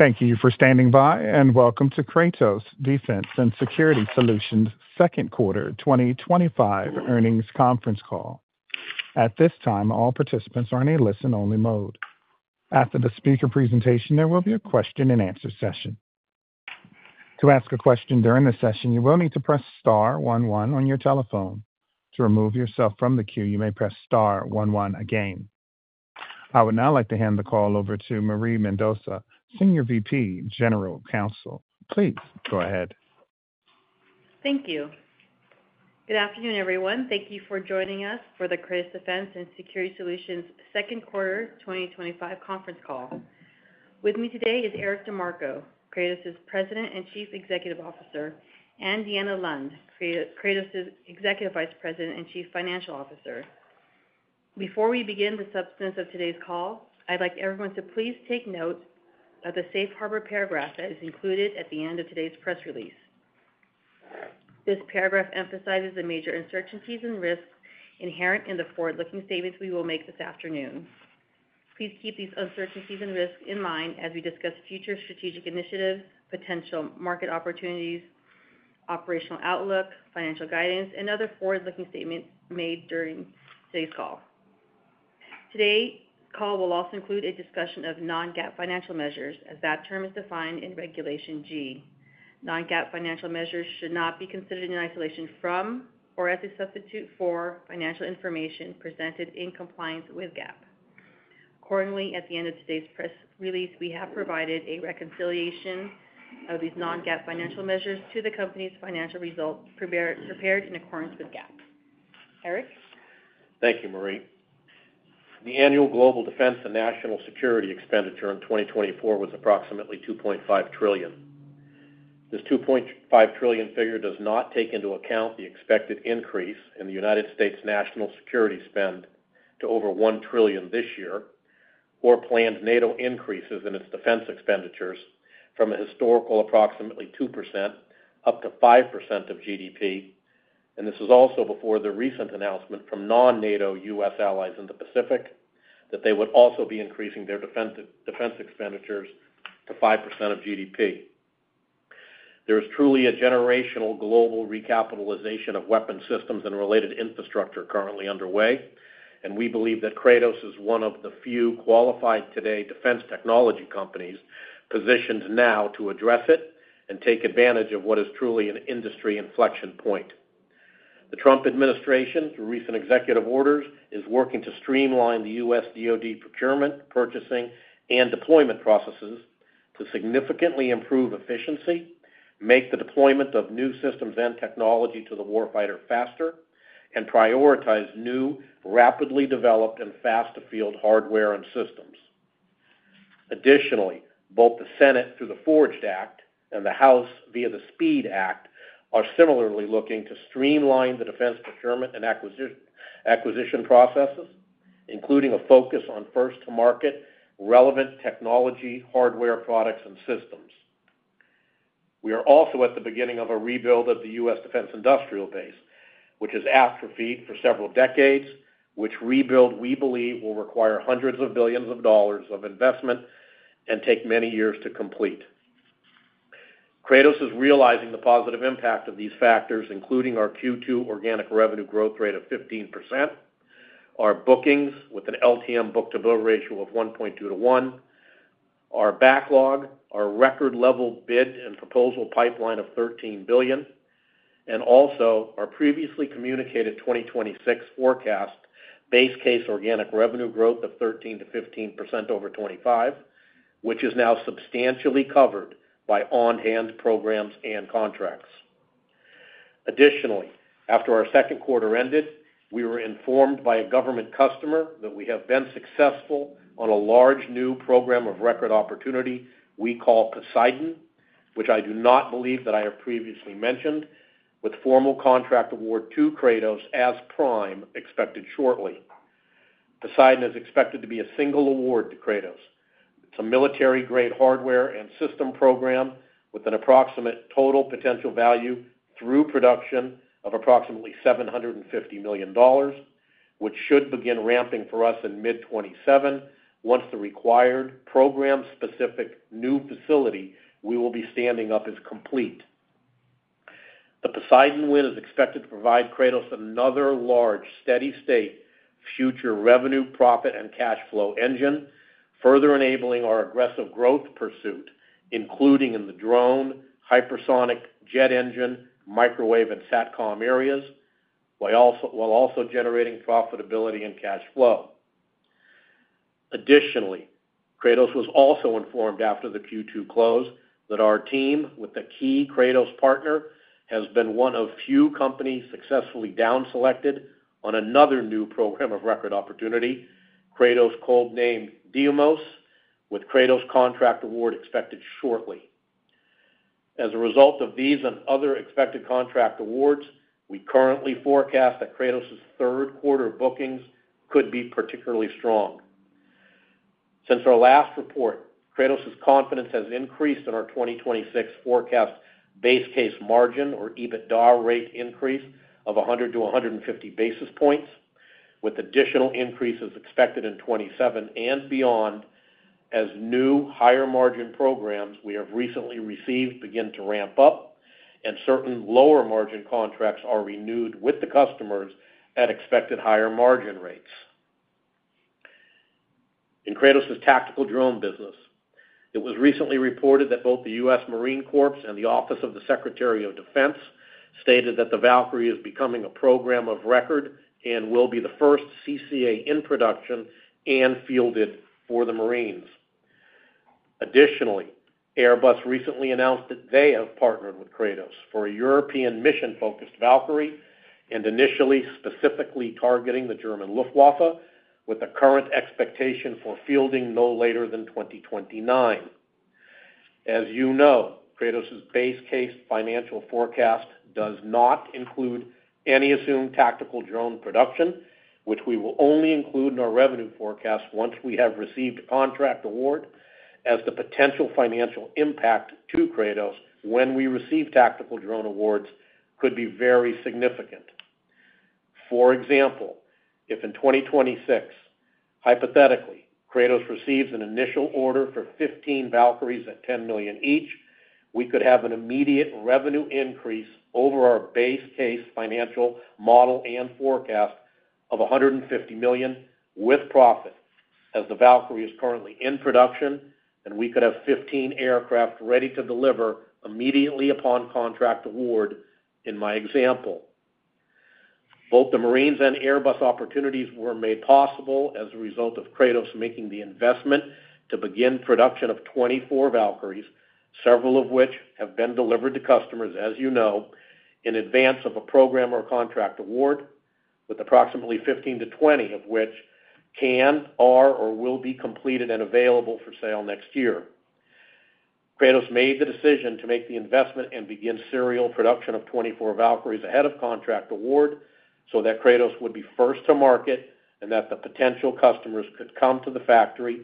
Thank you for standing by and welcome to Kratos Defense and Security Solutions' second quarter 2025 earnings conference call. At this time, all participants are in a listen-only mode. After the speaker presentation, there will be a question and answer session. To ask a question during the session, you will need to press star one one on your telephone. To remove yourself from the queue, you may press star one one again. I would now like to hand the call over to Marie Mendoza, Senior VP of General Counsel. Please go ahead. Thank you. Good afternoon, everyone. Thank you for joining us for the Kratos Defense and Security Solutions' second quarter 2025 conference call. With me today is Eric DeMarco, Kratos' President and Chief Executive Officer, and Deanna Lund, Kratos' Executive Vice President and Chief Financial Officer. Before we begin the substance of today's call, I'd like everyone to please take note of the Safe Harbor paragraph that is included at the end of today's press release. This paragraph emphasizes the major uncertainties and risks inherent in the forward-looking statements we will make this afternoon. Please keep these uncertainties and risks in mind as we discuss future strategic initiatives, potential market opportunities, operational outlook, financial guidance, and other forward-looking statements made during today's call. Today's call will also include a discussion of non-GAAP financial measures, as that term is defined in Regulation G. Non-GAAP financial measures should not be considered in isolation from or as a substitute for financial information presented in compliance with GAAP. Accordingly, at the end of today's press release, we have provided a reconciliation of these non-GAAP financial measures to the company's financial results prepared in accordance with GAAP. Eric? Thank you, Marie. The annual global defense and national security expenditure in 2024 was approximately $2.5 trillion. This $2.5 trillion figure does not take into account the expected increase in the U.S. national security spend to over $1 trillion this year, or planned NATO increases in its defense expenditures from a historical approximately 2% up to 5% of GDP. This is also before the recent announcement from non-NATO U.S. allies in the Pacific that they would also be increasing their defense expenditures to 5% of GDP. There is truly a generational global recapitalization of weapon systems and related infrastructure currently underway, and we believe that Kratos is one of the few qualified today defense technology companies positioned now to address it and take advantage of what is truly an industry inflection point. The Trump administration, through recent executive orders, is working to streamline the U.S. DOD procurement, purchasing, and deployment processes to significantly improve efficiency, make the deployment of new systems and technology to the warfighter faster, and prioritize new, rapidly developed and fast-to-field hardware and systems. Additionally, both the Senate through the FORGED Act and the House via the SPEED Act are similarly looking to streamline the defense procurement and acquisition processes, including a focus on first-to-market relevant technology, hardware products, and systems. We are also at the beginning of a rebuild of the U.S. defense industrial base, which has atrophied for several decades, which rebuild we believe will require hundreds of billions of dollars of investment and take many years to complete. Kratos is realizing the positive impact of these factors, including our Q2 organic revenue growth rate of 15%, our bookings with an LTM book-to-bill ratio of 1.2-1, our backlog, our record-level bid and proposal pipeline of $13 billion, and also our previously communicated 2026 forecast base case organic revenue growth of 13%-15% over '25, which is now substantially covered by on-hand programs and contracts. Additionally, after our second quarter ended, we were informed by a government customer that we have been successful on a large new program of record opportunity we call Poseidon, which I do not believe that I have previously mentioned, with formal contract award to Kratos as prime expected shortly. Poseidon is expected to be a single award to Kratos. It's a military-grade hardware and system program with an approximate total potential value through production of approximately $750 million, which should begin ramping for us in mid 2027 once the required program-specific new facility we will be standing up is complete. The Poseidon win is expected to provide Kratos another large steady-state future revenue, profit, and cash flow engine, further enabling our aggressive growth pursuit, including in the drone, hypersonic, jet engine, microwave, and SATCOM areas, while also generating profitability and cash flow. Additionally, Kratos was also informed after the Q2 close that our team with a key Kratos partner has been one of few companies successfully down-selected on another new program of record opportunity, Kratos code-named DMOS, with Kratos contract award expected shortly. As a result of these and other expected contract awards, we currently forecast that Kratos' third quarter bookings could be particularly strong. Since our last report, Kratos' confidence has increased in our 2026 forecast base case margin or EBITDA rate increase of 100-150 basis points, with additional increases expected in 2027 and beyond as new higher margin programs we have recently received begin to ramp up and certain lower margin contracts are renewed with the customers at expected higher margin rates. In Kratos' tactical drone business, it was recently reported that both the U.S. Marine Corps and the Office of the Secretary of Defense stated that the Valkyrie is becoming a program of record and will be the first CCA in production and fielded for the Marines. Additionally, Airbus recently announced that they have partnered with Kratos for a European mission-focused Valkyrie and initially specifically targeting the German Luftwaffe, with the current expectation for fielding no later than 2029. As you know, Kratos' base case financial forecast does not include any assumed tactical drone production, which we will only include in our revenue forecast once we have received a contract award, as the potential financial impact to Kratos when we receive tactical drone awards could be very significant. For example, if in 2026, hypothetically, Kratos receives an initial order for 15 Valkyries at $10 million each, we could have an immediate revenue increase over our base case financial model and forecast of $150 million with profit, as the Valkyrie is currently in production, and we could have 15 aircraft ready to deliver immediately upon contract award in my example. Both the Marines and Airbus opportunities were made possible as a result of Kratos making the investment to begin production of 24 Valkyries, several of which have been delivered to customers, as you know, in advance of a program or contract award, with approximately 15-20 of which can, are, or will be completed and available for sale next year. Kratos made the decision to make the investment and begin serial production of 24 Valkyries ahead of contract award so that Kratos would be first to market and that the potential customers could come to the factory,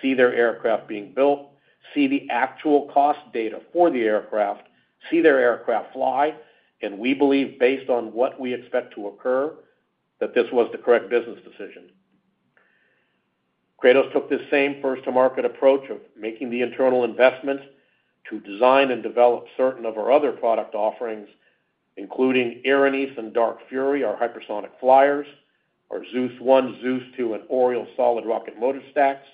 see their aircraft being built, see the actual cost data for the aircraft, see their aircraft fly, and we believe, based on what we expect to occur, that this was the correct business decision. Kratos took this same first-to-market approach of making the internal investments to design and develop certain of our other product offerings, including IRON-Dome and Dark Fury, our hypersonic flyers, our Zus one, Zus two, and Oriel solid rocket motor stacks,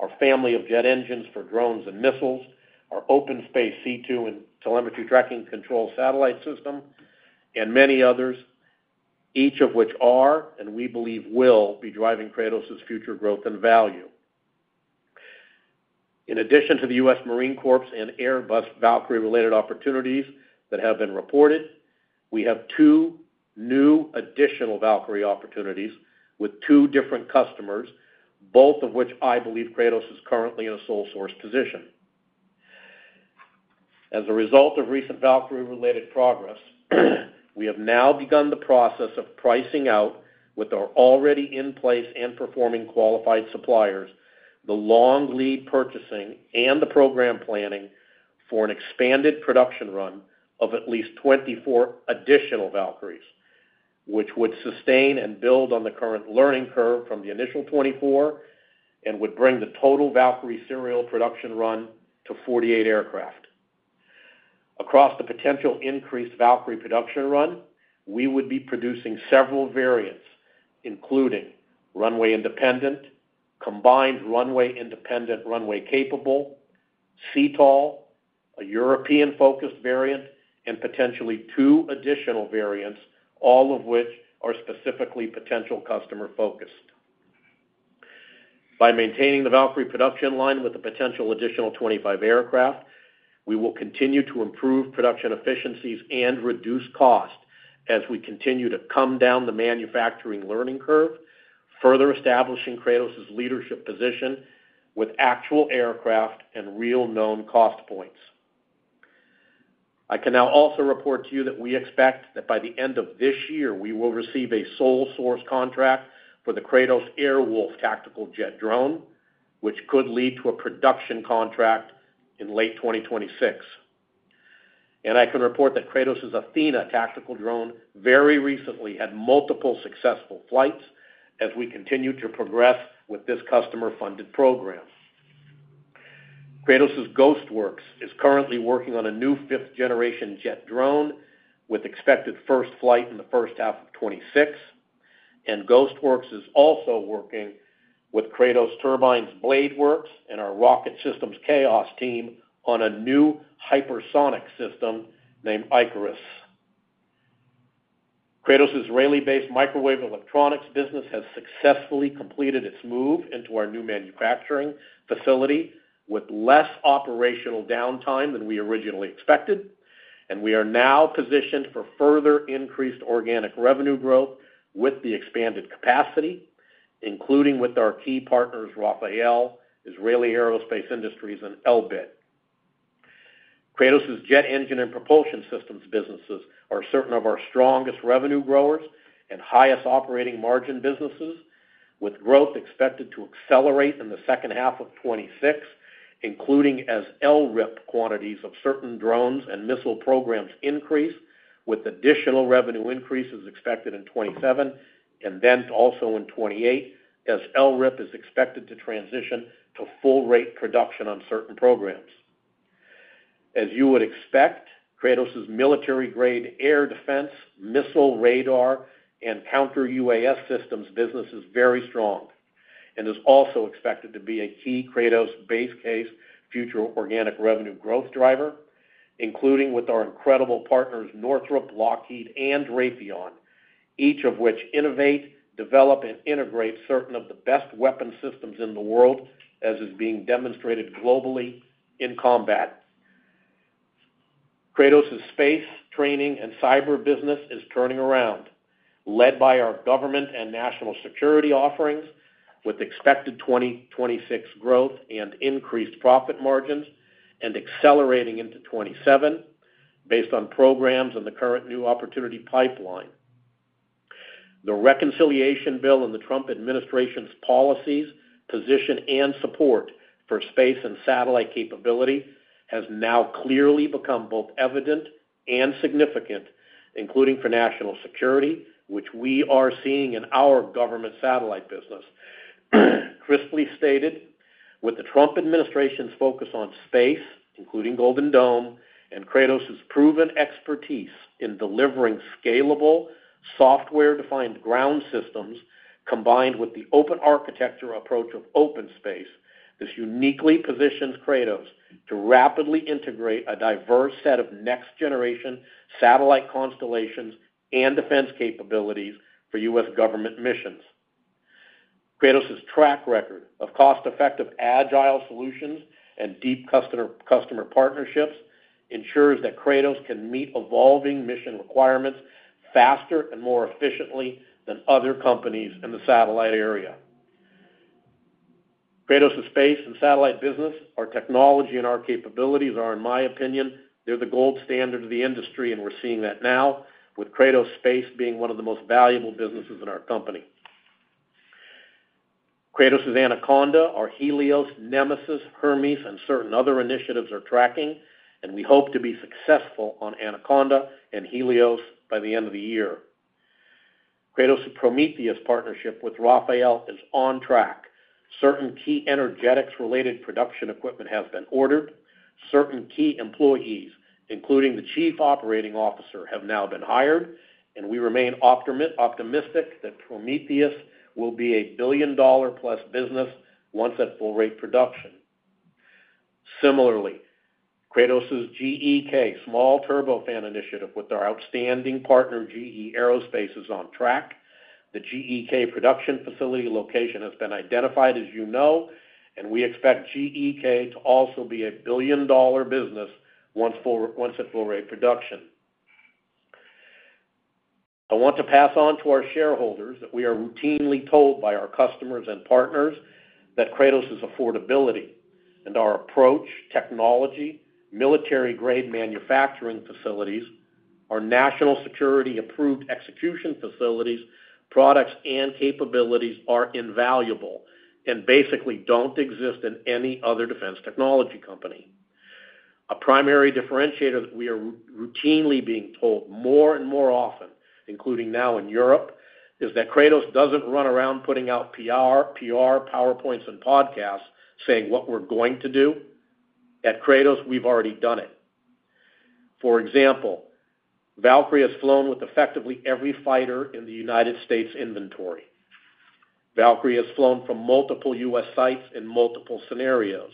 our family of jet engines for drones and missiles, our OpenSpace C2 and telemetry tracking controlled satellite system, and many others, each of which are, and we believe will be driving Kratos' future growth and value. In addition to the U.S. Marine Corps and Airbus Valkyrie-related opportunities that have been reported, we have two new additional Valkyrie opportunities with two different customers, both of which I believe Kratos is currently in a sole source position. As a result of recent Valkyrie-related progress, we have now begun the process of pricing out with our already in-place and performing qualified suppliers the long lead purchasing and the program planning for an expanded production run of at least 24 additional Valkyries, which would sustain and build on the current learning curve from the initial 24 and would bring the total Valkyrie serial production run to 48 aircraft. Across the potential increased Valkyrie production run, we would be producing several variants, including runway independent, combined runway independent, runway capable, sea-tail, a European-focused variant, and potentially two additional variants, all of which are specifically potential customer focused. By maintaining the Valkyrie production line with a potential additional 25 aircraft, we will continue to improve production efficiencies and reduce cost as we continue to come down the manufacturing learning curve, further establishing Kratos' leadership position with actual aircraft and real known cost points. I can now also report to you that we expect that by the end of this year, we will receive a sole source contract for the Kratos Airwolf tactical jet drone, which could lead to a production contract in late 2026. I can report that Kratos' Athena tactical drone very recently had multiple successful flights as we continue to progress with this customer-funded program. Kratos' Ghostworks is currently working on a new fifth-generation jet drone with expected first flight in the first half of 2026, and Ghostworks is also working with Kratos Turbines Blade Works and our Rocket Systems Chaos team on a new hypersonic system named Icarus. Kratos' newly-based microwave electronics business has successfully completed its move into our new manufacturing facility with less operational downtime than we originally expected, and we are now positioned for further increased organic revenue growth with the expanded capacity, including with our key partners Rafael, Israel Aerospace Industries, and Elbit. Kratos' jet engine and propulsion systems businesses are certain of our strongest revenue growers and highest operating margin businesses, with growth expected to accelerate in the second half of 2026, including as LRIP quantities of certain drones and missile programs increase, with additional revenue increases expected in 2027 and then also in 2028, as LRIP is expected to transition to full-rate production on certain programs. As you would expect, Kratos' military-grade air defense, missile radar, and counter-UAS systems business is very strong and is also expected to be a key Kratos base case future organic revenue growth driver, including with our incredible partners Northrop Grumman, Lockheed Martin, and RTX, each of which innovate, develop, and integrate certain of the best weapon systems in the world, as is being demonstrated globally in combat. Kratos' space, training, and cyber business is turning around, led by our government and national security offerings, with expected 2026 growth and increased profit margins and accelerating into 2027 based on programs and the current new opportunity pipeline. The reconciliation bill in the Trump administration's policies, position, and support for space and satellite capability has now clearly become both evident and significant, including for national security, which we are seeing in our government satellite business. Crisply stated, with the Trump administration's focus on space, including Golden Dome, and Kratos' proven expertise in delivering scalable software-defined ground systems combined with the open architecture approach of OpenSpace, this uniquely positions Kratos to rapidly integrate a diverse set of next-generation satellite constellations and defense capabilities for U.S. government missions. Kratos' track record of cost-effective, agile solutions and deep customer partnerships ensures that Kratos can meet evolving mission requirements faster and more efficiently than other companies in the satellite area. Kratos' space and satellite business, our technology, and our capabilities are, in my opinion, they're the gold standard of the industry, and we're seeing that now, with Kratos' space being one of the most valuable businesses in our company. Kratos' Anaconda, our Helios, Nemesis, Hermes, and certain other initiatives are tracking, and we hope to be successful on Anaconda and Helios by the end of the year. Kratos' Prometheus partnership with Rafael is on track. Certain key energetics-related production equipment has been ordered. Certain key employees, including the Chief Operating Officer, have now been hired, and we remain optimistic that Prometheus will be a billion-dollar-plus business once at full-rate production. Similarly, Kratos' GEK Small Turbofan Initiative with our outstanding partner GE Aerospace is on track. The GEK production facility location has been identified, as you know, and we expect GEK to also be a billion-dollar business once at full-rate production. I want to pass on to our shareholders that we are routinely told by our customers and partners that Kratos' affordability and our approach, technology, military-grade manufacturing facilities, our national security-approved execution facilities, products, and capabilities are invaluable and basically don't exist in any other defense technology company. A primary differentiator that we are routinely being told more and more often, including now in Europe, is that Kratos doesn't run around putting out PR, PR PowerPoints, and podcasts saying what we're going to do. At Kratos, we've already done it. For example, Valkyrie has flown with effectively every fighter in the United States inventory. Valkyrie has flown from multiple U.S. sites in multiple scenarios.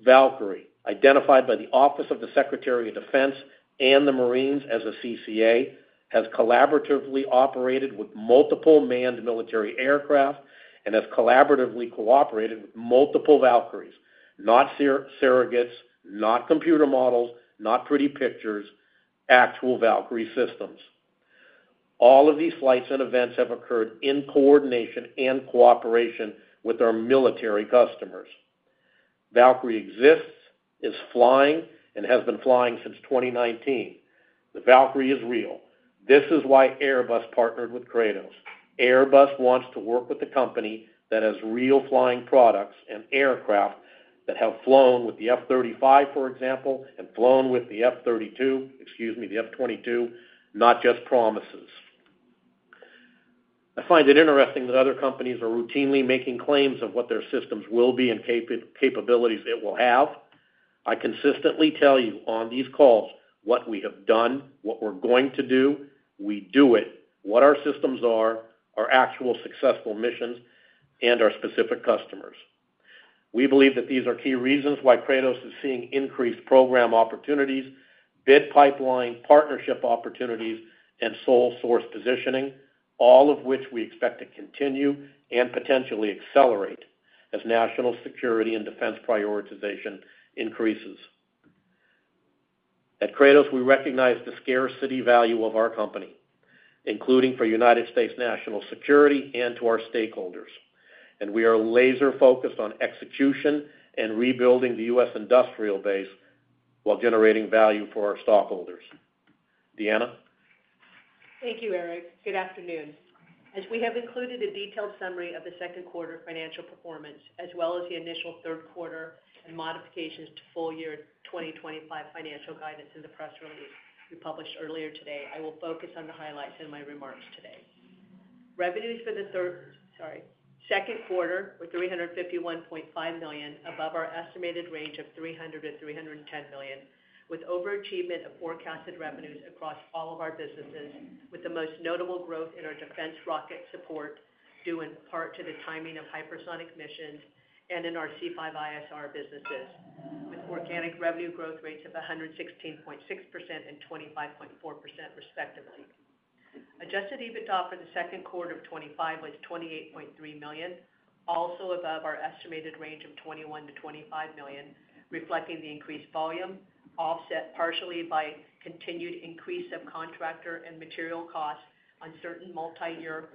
Valkyrie, identified by the Office of the Secretary of Defense and the Marines as a CCA, has collaboratively operated with multiple manned military aircraft and has collaboratively cooperated with multiple Valkyries, not surrogates, not computer models, not pretty pictures, actual Valkyrie systems. All of these flights and events have occurred in coordination and cooperation with our military customers. Valkyrie exists, is flying, and has been flying since 2019. The Valkyrie is real. This is why Airbus partnered with Kratos. Airbus wants to work with a company that has real flying products and aircraft that have flown with the F-35, for example, and flown with the F-32, excuse me, the F-22, not just promises. I find it interesting that other companies are routinely making claims of what their systems will be and capabilities it will have. I consistently tell you on these calls what we have done, what we're going to do, we do it, what our systems are, our actual successful missions, and our specific customers. We believe that these are key reasons why Kratos is seeing increased program opportunities, bid pipeline, partnership opportunities, and sole source positioning, all of which we expect to continue and potentially accelerate as national security and defense prioritization increases. At Kratos, we recognize the scarcity value of our company, including for United States national security and to our stakeholders, and we are laser-focused on execution and rebuilding the U.S. industrial base while generating value for our stockholders. Deanna? Thank you, Eric. Good afternoon. As we have included a detailed summary of the second quarter financial performance, as well as the initial third quarter and modifications to full-year 2025 financial guidance in the press release we published earlier today, I will focus on the highlights in my remarks today. Revenues for the second quarter were $351.5 million, above our estimated range of $300 million-$310 million, with overachievement of forecasted revenues across all of our businesses, with the most notable growth in our defense rocket support due in part to the timing of hypersonic missions and in our C5ISR businesses, with organic revenue growth rates of 116.6% and 25.4% respectively. Adjusted EBITDA for the second quarter of 2025 was $28.3 million, also above our estimated range of $21 million-$25 million, reflecting the increased volume offset partially by continued increase of contractor and material costs on certain multi-year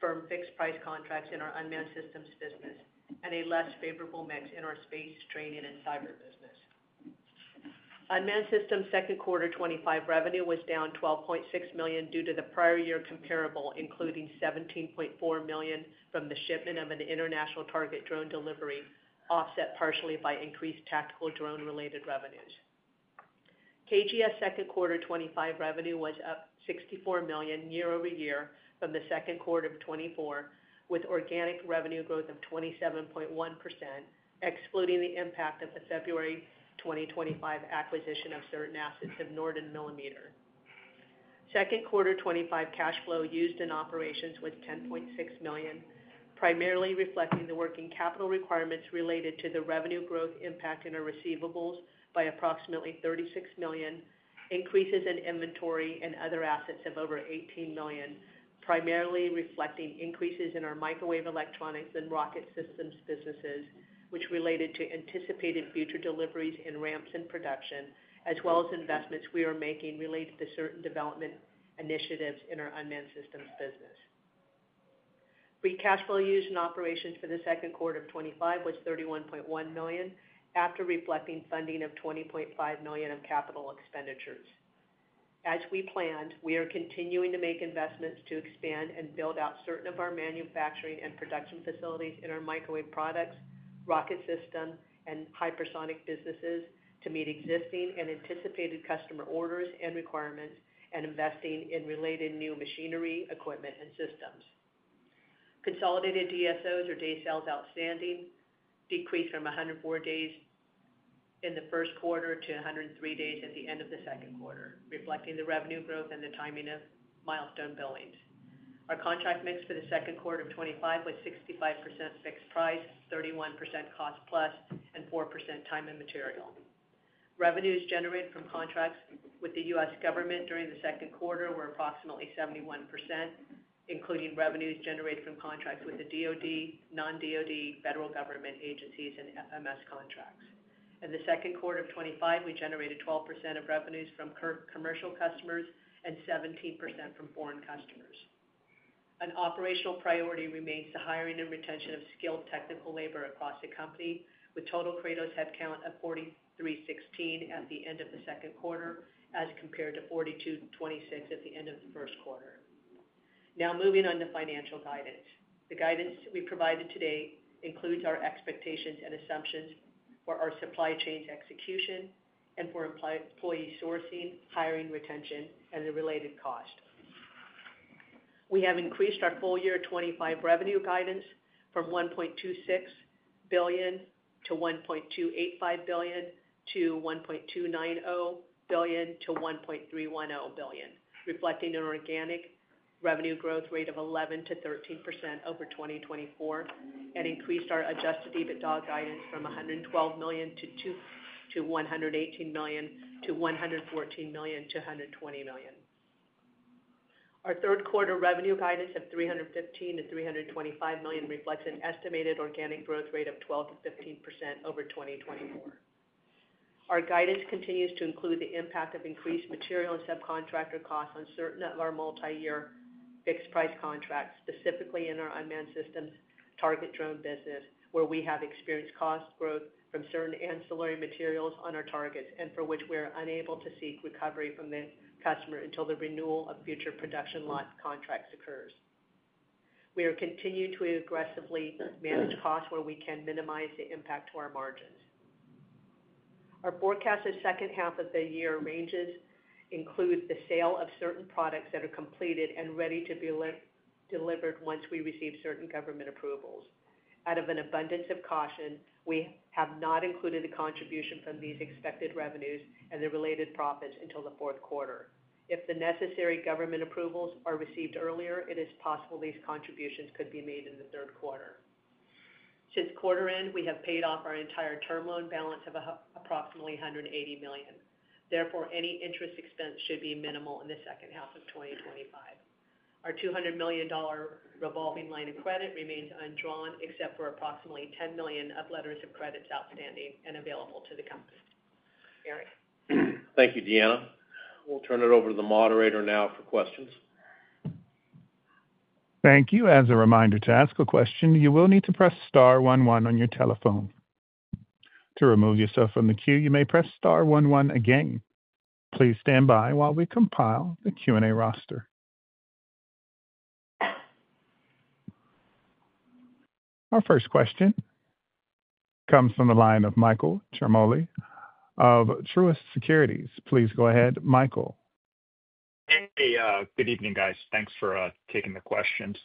firm fixed-price contracts in our unmanned systems business and a less favorable mix in our space, train, and cyber business. Unmanned systems second quarter 2025 revenue was down $12.6 million due to the prior year comparable, including $17.4 million from the shipment of an international target drone delivery, offset partially by increased tactical drone-related revenues. KGS second quarter 2025 revenue was up $64 million year-over-year from the second quarter of 2024, with organic revenue growth of 27.1%, excluding the impact of the February 2025 acquisition of certain assets of Norden Millimeter. Second quarter 2025 cash flow used in operations was $10.6 million, primarily reflecting the working capital requirements related to the revenue growth impact in our receivables by approximately $36 million, increases in inventory and other assets of over $18 million, primarily reflecting increases in our microwave electronics and rocket systems businesses, which related to anticipated future deliveries and ramps in production, as well as investments we are making related to certain development initiatives in our unmanned systems business. Free cash flow used in operations for the second quarter of 2025 was $31.1 million after reflecting funding of $20.5 million of capital expenditures. As we planned, we are continuing to make investments to expand and build out certain of our manufacturing and production facilities in our microwave products, rocket system, and hypersonic businesses to meet existing and anticipated customer orders and requirements and investing in related new machinery, equipment, and systems. Consolidated DSOs, or days sales outstanding, decreased from 104 days in the first quarter to 103 days at the end of the second quarter, reflecting the revenue growth and the timing of milestone billings. Our contract mix for the second quarter of 2025 was 65% fixed price, 31% cost plus, and 4% time and material. Revenues generated from contracts with the U.S. government during the second quarter were approximately 71%, including revenues generated from contracts with the DOD, non-DOD federal government agencies, and MS contracts. In the second quarter of 2025, we generated 12% of revenues from commercial customers and 17% from foreign customers. An operational priority remains the hiring and retention of skilled technical labor across the company, with total Kratos headcount of 4,316 at the end of the second quarter as compared to 4,226 at the end of the first quarter. Now moving on to financial guidance. The guidance we provided today includes our expectations and assumptions for our supply chain's execution and for employee sourcing, hiring, retention, and the related cost. We have increased our full-year 2025 revenue guidance from $1.26 billion-$1.285 billion to $1.290 billion-$1.310 billion, reflecting an organic revenue growth rate of 11%-13% over 2024, and increased our adjusted EBITDA guidance from $112 million-$118 million to $114 million-$120 million. Our third quarter revenue guidance of $315 million-$325 million reflects an estimated organic growth rate of 12%-15% over 2024. Our guidance continues to include the impact of increased material and subcontractor costs on certain of our multi-year fixed-price contracts, specifically in our unmanned systems target drone business, where we have experienced cost growth from certain ancillary materials on our targets and for which we are unable to seek recovery from the customer until the renewal of future production lot contracts occurs. We are continuing to aggressively manage costs where we can minimize the impact to our margins. Our forecast of second half of the year ranges include the sale of certain products that are completed and ready to be delivered once we receive certain government approvals. Out of an abundance of caution, we have not included the contribution from these expected revenues and the related profits until the fourth quarter. If the necessary government approvals are received earlier, it is possible these contributions could be made in the third quarter. Since quarter end, we have paid off our entire term loan balance of approximately $180 million. Therefore, any interest expense should be minimal in the second half of 2025. Our $200 million revolving line of credit remains undrawn except for approximately $10 million of letters of credit outstanding and available to the company. Eric. Thank you, Deanna. We'll turn it over to the moderator now for questions. Thank you. As a reminder, to ask a question, you will need to press star one one on your telephone. To remove yourself from the queue, you may press star one one again. Please stand by while we compile the Q&A roster. Our first question comes from the line of Michael Ciarmoli of Truist Securities. Please go ahead, Michael. Hey, good evening, guys. Thanks for taking the questions.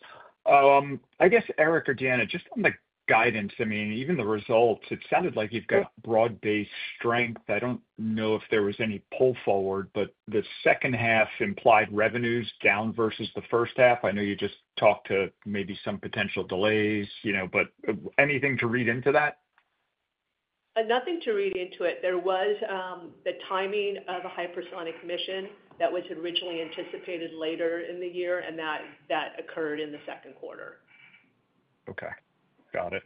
I guess, Eric or Deanna, just on the guidance, I mean, even the results, it sounded like you've got broad-based strength. I don't know if there was any pull forward, but the second half implied revenues down versus the first half. I know you just talked to maybe some potential delays, you know, but anything to read into that? Nothing to read into it. There was the timing of a hypersonic mission that was originally anticipated later in the year, and that occurred in the second quarter. Okay. Got it.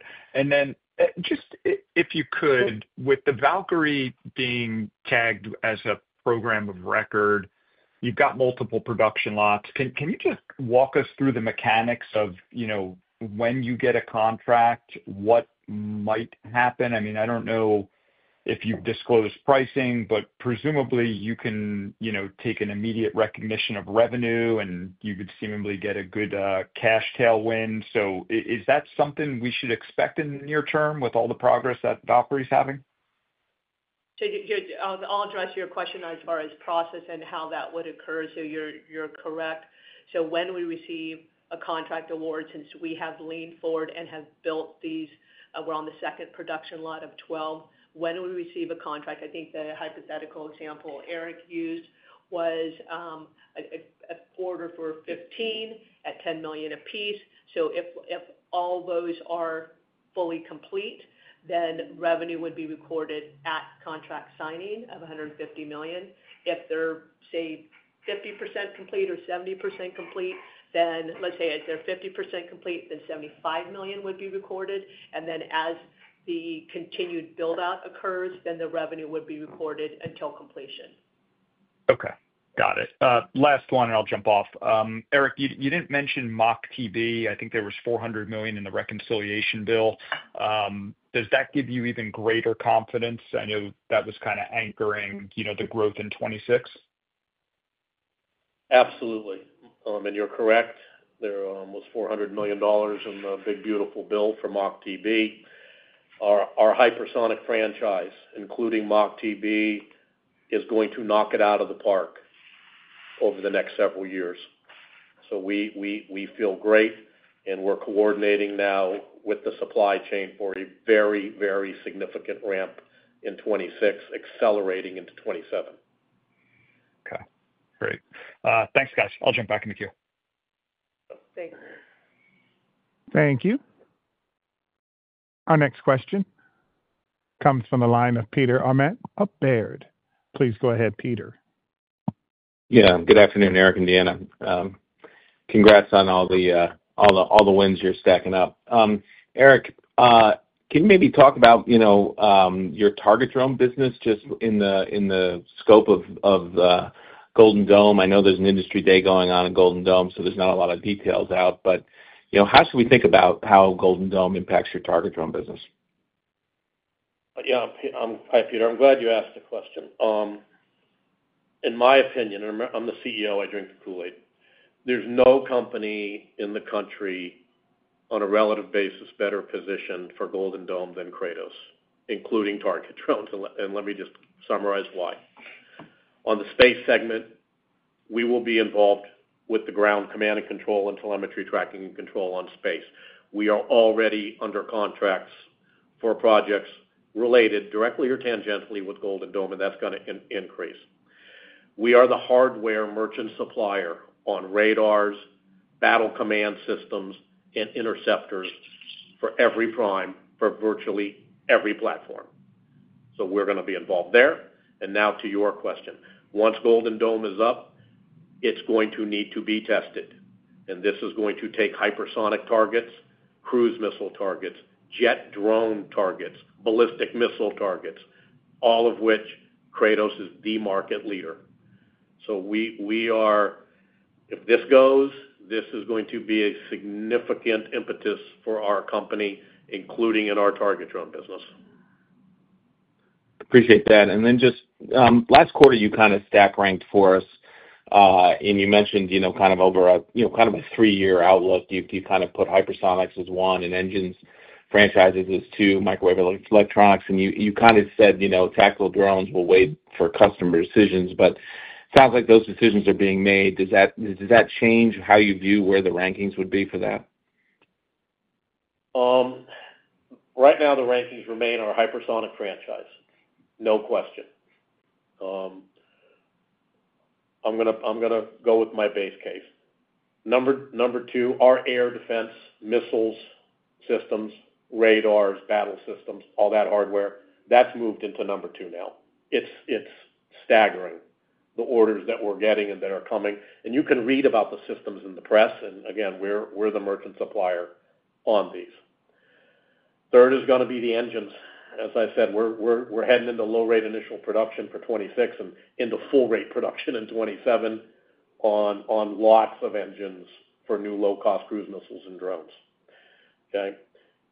With the Valkyrie being tagged as a program of record, you've got multiple production lots. Can you just walk us through the mechanics of, you know, when you get a contract, what might happen? I mean, I don't know if you've disclosed pricing, but presumably you can, you know, take an immediate recognition of revenue and you could seemingly get a good cash tailwind. Is that something we should expect in the near term with all the progress that Valkyrie is having? I'll address your question as far as process and how that would occur. You're correct. When we receive a contract award, since we have leaned forward and have built these, we're on the second production lot of 12. When we receive a contract, I think the hypothetical example Eric used was an order for 15 at $10 million a piece. If all those are fully complete, then revenue would be recorded at contract signing of $150 million. If they're, say, 50% complete or 70% complete, then let's say if they're 50% complete, then $75 million would be recorded. As the continued build-out occurs, the revenue would be recorded until completion. Okay. Got it. Last one, and I'll jump off. Eric, you didn't mention Mach-TB. I think there was $400 million in the reconciliation bill. Does that give you even greater confidence? I know that was kind of anchoring, you know, the growth in 2026. Absolutely. You're correct. There was $400 million in the big, beautiful bill for Mach-TB. Our hypersonic franchise, including Mach-TB, is going to knock it out of the park over the next several years. We feel great, and we're coordinating now with the supply chain for a very, very significant ramp in 2026, accelerating into 2027. Okay. Great. Thanks, guys. I'll jump back in the queue. Thanks. Thank you. Our next question comes from the line of Peter Arment of Baird. Please go ahead, Peter. Yeah. Good afternoon, Eric and Deanna. Congrats on all the wins you're stacking up. Eric, can you maybe talk about your target drone business just in the scope of Golden Dome? I know there's an industry day going on at Golden Dome, so there's not a lot of details out, but how should we think about how Golden Dome impacts your target drone business? Yeah, Peter, I'm glad you asked the question. In my opinion, and I'm the CEO, I drink the Kool-Aid. There's no company in the country on a relative basis better positioned for Golden Dome than Kratos, including target drones. Let me just summarize why. On the space segment, we will be involved with the ground command and control and telemetry tracking and control on space. We are already under contracts for projects related directly or tangentially with Golden Dome, and that's going to increase. We are the hardware merchant supplier on radars, battle command systems, and interceptors for every prime for virtually every platform. We are going to be involved there. Now to your question, once Golden Dome is up, it's going to need to be tested. This is going to take hypersonic targets, cruise missile targets, jet drone targets, ballistic missile targets, all of which Kratos is the market leader. If this goes, this is going to be a significant impetus for our company, including in our target drone business. Appreciate that. Just last quarter, you kind of stack ranked for us, and you mentioned, you know, kind of over a, you know, kind of a three-year outlook. You kind of put hypersonics as one and engines franchises as two, microwave electronics. You kind of said, you know, tactical drones will wait for customer decisions, but it sounds like those decisions are being made. Does that change how you view where the rankings would be for that? Right now, the rankings remain our hypersonic franchise. No question. I'm going to go with my base case. Number two, our air defense, missiles, systems, radars, battle systems, all that hardware, that's moved into number two now. It's staggering the orders that we're getting and that are coming. You can read about the systems in the press. Again, we're the merchant supplier on these. Third is going to be the engines. As I said, we're heading into low-rate initial production for 2026 and into full-rate production in 2027 on lots of engines for new low-cost cruise missiles and drones.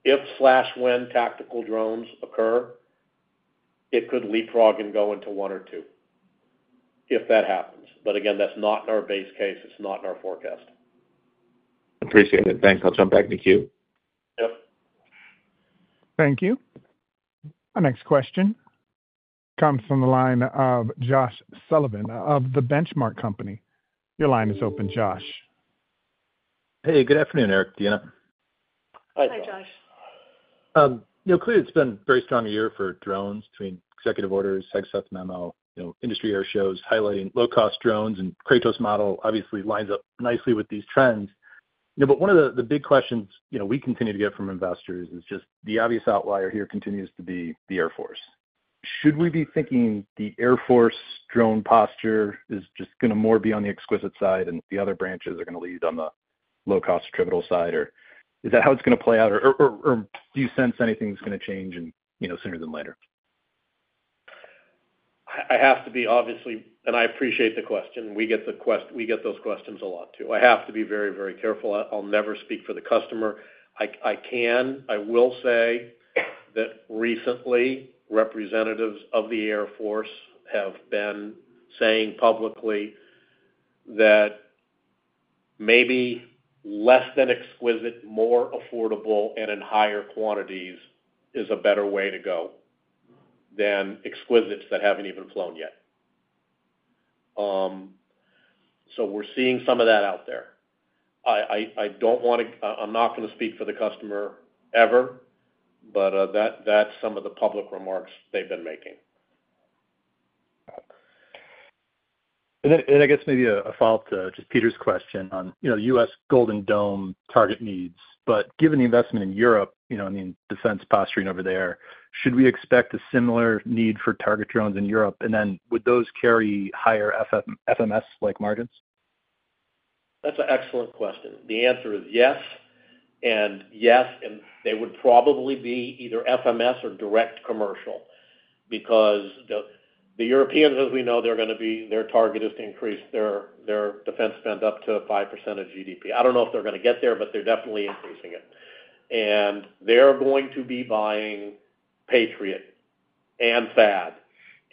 If slash when tactical drones occur, it could leapfrog and go into one or two if that happens. Again, that's not our base case. It's not in our forecast. Appreciate it. Thanks. I'll jump back in the queue. Thank you. Our next question comes from the line of Joshua Sullivan of The Benchmark Company. Your line is open, Josh. Hey, good afternoon, Eric, Deanna. Hi, Josh. Clearly, it's been a very strong year for drones between executive orders, headset memo, industry air shows highlighting low-cost drones, and Kratos model obviously lines up nicely with these trends. One of the big questions we continue to get from investors is just the obvious outlier here continues to be the Air Force. Should we be thinking the Air Force drone posture is just going to more be on the exquisite side, and the other branches are going to lead on the low-cost trivial side, or is that how it's going to play out, or do you sense anything's going to change sooner than later? I appreciate the question. We get those questions a lot too. I have to be very, very careful. I'll never speak for the customer. I will say that recently, representatives of the Air Force have been saying publicly that maybe less than exquisite, more affordable, and in higher quantities is a better way to go than exquisites that haven't even flown yet. We're seeing some of that out there. I don't want to, I'm not going to speak for the customer ever, but that's some of the public remarks they've been making. I guess maybe a follow-up to Peter's question on U.S. Golden Dome target needs. Given the investment in Europe, I mean, defense posturing over there, should we expect a similar need for target drones in Europe? Would those carry higher FMS-like margins? That's an excellent question. The answer is yes. Yes, and they would probably be either FMS or direct commercial because the Europeans, as we know, their target is to increase their defense spend up to 5% of GDP. I don't know if they're going to get there, but they're definitely increasing it. They're going to be buying Patriot and THAAD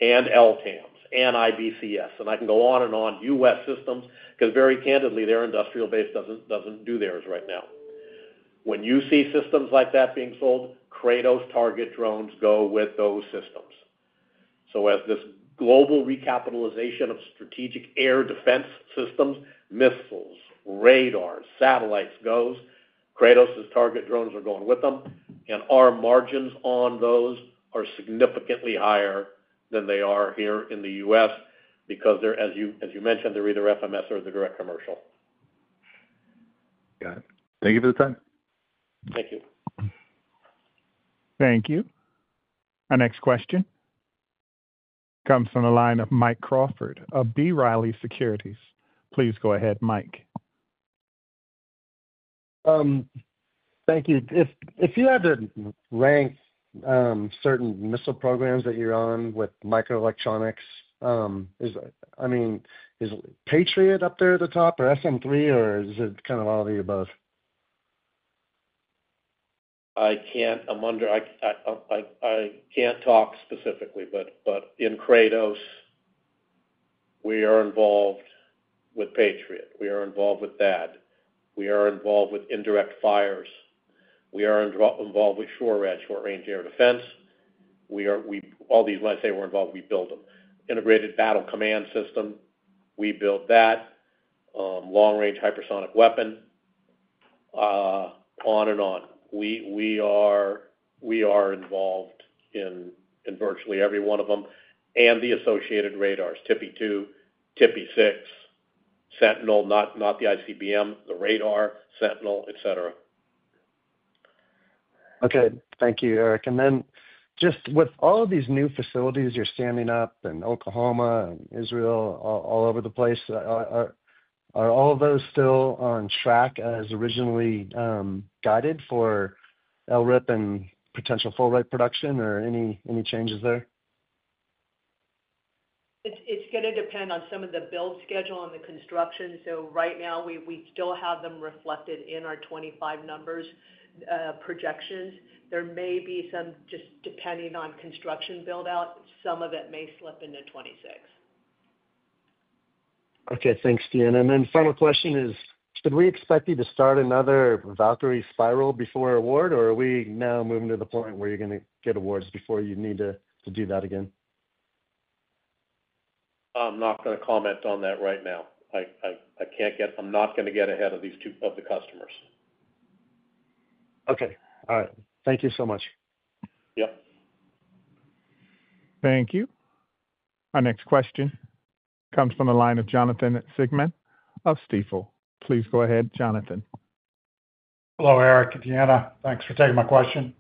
and LTAMDS and IBCS. I can go on and on, U.S. systems, because very candidly, their industrial base doesn't do theirs right now. When you see systems like that being sold, Kratos target drones go with those systems. As this global recapitalization of strategic air defense systems, missiles, radars, satellites goes, Kratos' target drones are going with them. Our margins on those are significantly higher than they are here in the U.S. because they're, as you mentioned, they're either FMS or they're direct commercial. Got it. Thank you for the time. Thank you. Thank you. Our next question comes from the line of Mike Crawford of B. Riley Securities. Please go ahead, Mike. Thank you. If you had to rank certain missile programs that you're on with microwave electronics, is, I mean, is Patriot up there at the top or SM3, or is it kind of all of the above? I can't talk specifically, but in Kratos, we are involved with Patriot. We are involved with THAAD. We are involved with indirect fires. We are involved with SHORAD, short-range air defense. All these, when I say we're involved, we build them. Integrated Battle Command System, we build that. Long-range hypersonic weapon, on and on. We are involved in virtually every one of them and the associated radars, TPY-2, TPY-6, Sentinel, not the ICBM, the radar, Sentinel, etc. Okay. Thank you, Eric. With all of these new facilities you're standing up in Oklahoma and Israel, all over the place, are all of those still on track as originally guided for LRIP and potential full-rate production, or any changes there? It's going to depend on some of the build schedule and the construction. Right now, we still have them reflected in our 2025 numbers projections. There may be some, just depending on construction build-out, some of it may slip into 2026. Okay. Thanks, Deanna. Final question is, should we expect you to start another Valkyrie spiral before award, or are we now moving to the point where you're going to get awards before you need to do that again? I'm not going to comment on that right now. I can't get, I'm not going to get ahead of these two customers. Okay. All right. Thank you so much. Yep. Thank you. Our next question comes from the line of Jonathan Siegmann of Stifel. Please go ahead, Jonathan. Hello, Eric and Deanna. Thanks for taking my question.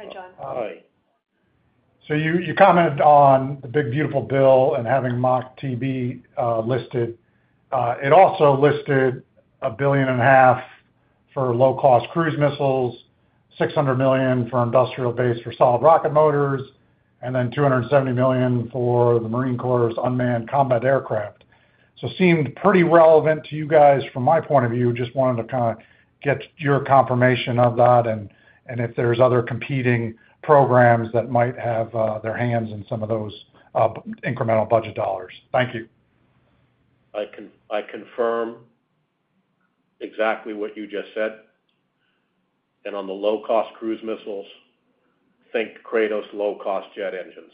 Hi, John. Hi. You commented on the big, beautiful bill and having Mach-TB listed. It also listed $1.5 billion for low-cost cruise missiles, $600 million for industrial base for solid rocket motors, and then $270 million for the Marine Corps' unmanned combat aircraft. It seemed pretty relevant to you guys from my point of view. I just wanted to kind of get your confirmation of that and if there's other competing programs that might have their hands in some of those incremental budget dollars. Thank you. I can confirm exactly what you just said. On the low-cost cruise missiles, I think Kratos low-cost jet engines.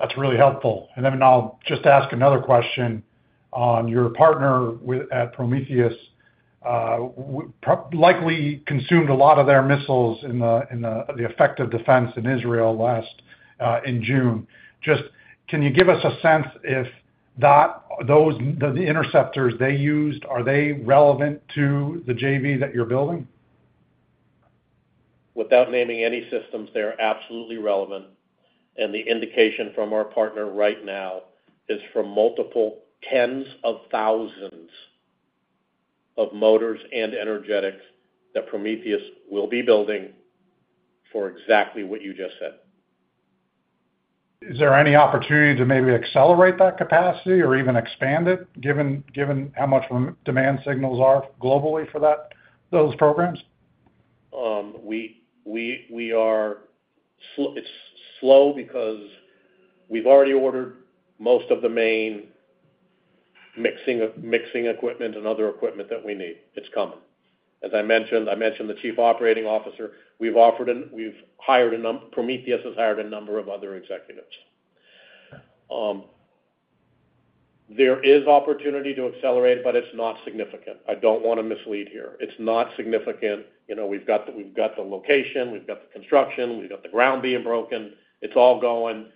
That's really helpful. I'll just ask another question on your partner at Prometheus, likely consumed a lot of their missiles in the effective defense in Israel last June. Just can you give us a sense if those interceptors they used, are they relevant to the JV that you're building? Without naming any systems, they're absolutely relevant. The indication from our partner right now is from multiple tens of thousands of motors and energetics that Prometheus will be building for exactly what you just said. Is there any opportunity to maybe accelerate that capacity or even expand it, given how much demand signals are globally for those programs? It's slow because we've already ordered most of the main mixing equipment and other equipment that we need. It's common. As I mentioned, I mentioned the Chief Operating Officer. We've offered and we've hired a number, Prometheus has hired a number of other executives. There is opportunity to accelerate, but it's not significant. I don't want to mislead here. It's not significant. We've got the location, we've got the construction, we've got the ground being broken. It's all going.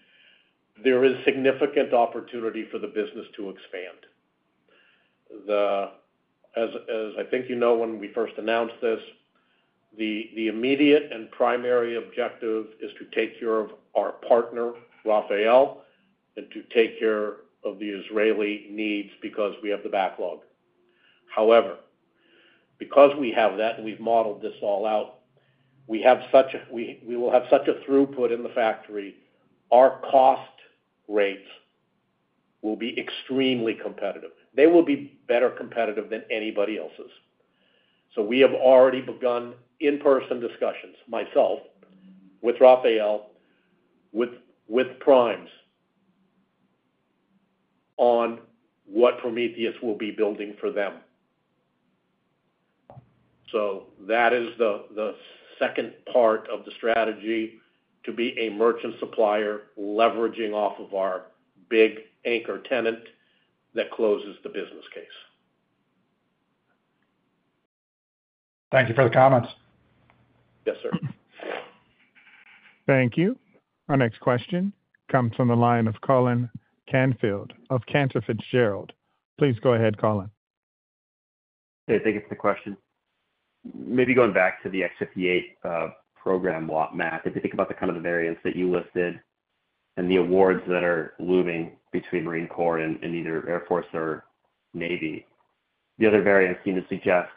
There is significant opportunity for the business to expand. As I think you know, when we first announced this, the immediate and primary objective is to take care of our partner, Rafael, and to take care of the Israeli needs because we have the backlog. However, because we have that and we've modeled this all out, we have such a, we will have such a throughput in the factory, our cost rates will be extremely competitive. They will be better competitive than anybody else's. We have already begun in-person discussions myself, with Rafael, with primes on what Prometheus will be building for them. That is the second part of the strategy to be a merchant supplier leveraging off of our big anchor tenant that closes the business case. Thank you for the comments. Yes, sir. Thank you. Our next question comes from the line of Colin Canfield of Cantor Fitzgerald. Please go ahead, Colin. Hey, thank you for the question. Maybe going back to the XQ-58 program lot map, if you think about the kind of the variants that you listed and the awards that are looming between Marine Corps and either Air Force or Navy, the other variants seem to suggest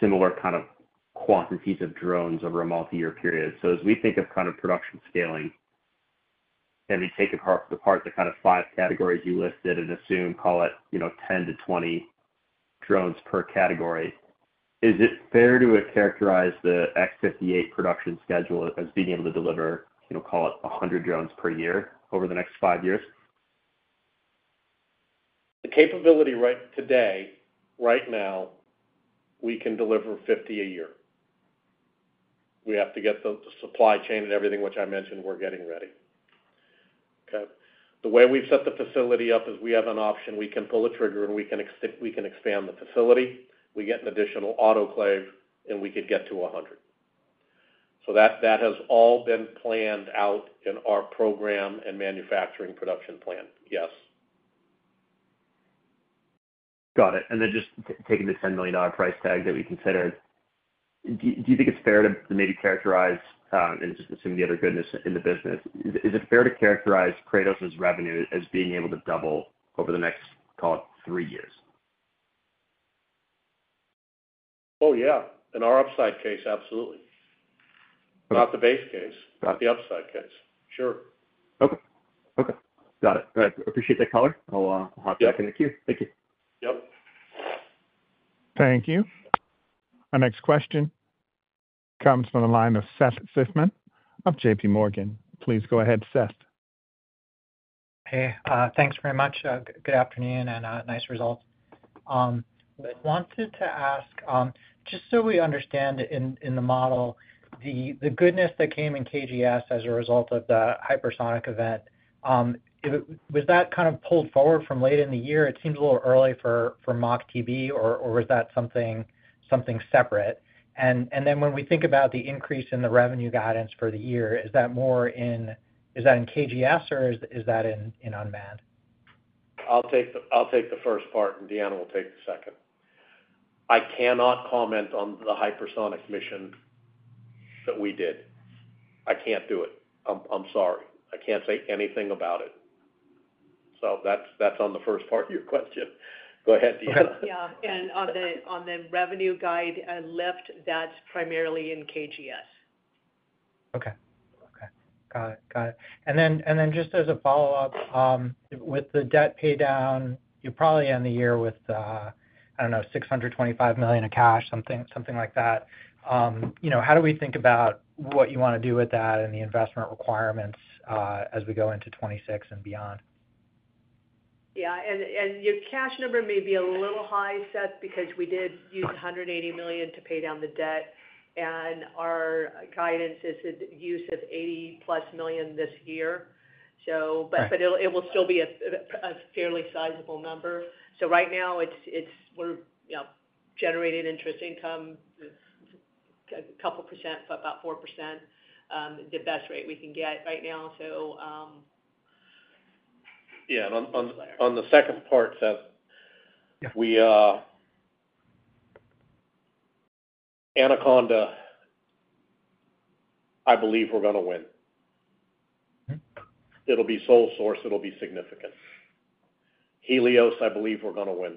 similar kind of quantities of drones over a multi-year period. As we think of kind of production scaling and we take apart the kind of five categories you listed and assume, call it, you know, 10-20 drones per category, is it fair to characterize the XQ-58 production schedule as being able to deliver, you know, call it 100 drones per year over the next five years? The capability right today, right now, we can deliver 50 a year. We have to get the supply chain and everything, which I mentioned, we're getting ready. The way we've set the facility up is we have an option, we can pull a trigger and we can expand the facility. We get an additional autoclave, and we could get to 100. That has all been planned out in our program and manufacturing production plan. Yes. Got it. Just taking the $10 million price tag that we considered, do you think it's fair to maybe characterize, and just assume the other goodness in the business, is it fair to characterize Kratos's revenue as being able to double over the next, call it, three years? Oh, yeah. In our upside case, absolutely. Not the base case. The upside case. Sure. Okay. Got it. Appreciate that, Colin. I'll hop back in the queue. Thank you. Thank you. Our next question comes from the line of Seth Seifman of JPMorgan. Please go ahead, Seth. Hey, thanks very much. Good afternoon and nice results. I wanted to ask, just so we understand in the model, the goodness that came in KGS as a result of the hypersonic event, was that kind of pulled forward from late in the year? It seems a little early for Mach-TB, or was that something separate? When we think about the increase in the revenue guidance for the year, is that more in KGS, or is that in unmanned? I'll take the first part, and Deanna will take the second. I cannot comment on the hypersonic mission that we did. I can't do it. I'm sorry. I can't say anything about it. That's on the first part of your question. Go ahead, Deanna. Yeah, on the revenue guide lift, that's primarily in KGS. Okay. Got it. With the debt paydown, you probably end the year with, I don't know, $625 million of cash, something like that. You know, how do we think about what you want to do with that and the investment requirements as we go into 2026 and beyond? Your cash number may be a little high, Seth, because we did use $180 million to pay down the debt, and our guidance is the use of $80+ million this year. It will still be a fairly sizable number. Right now, we're generating interest income, a couple percent, about 4%, the best rate we can get right now. Yeah. On the second part, Seth, if we, Anaconda, I believe we're going to win. It'll be sole source. It'll be significant. Helios, I believe we're going to win.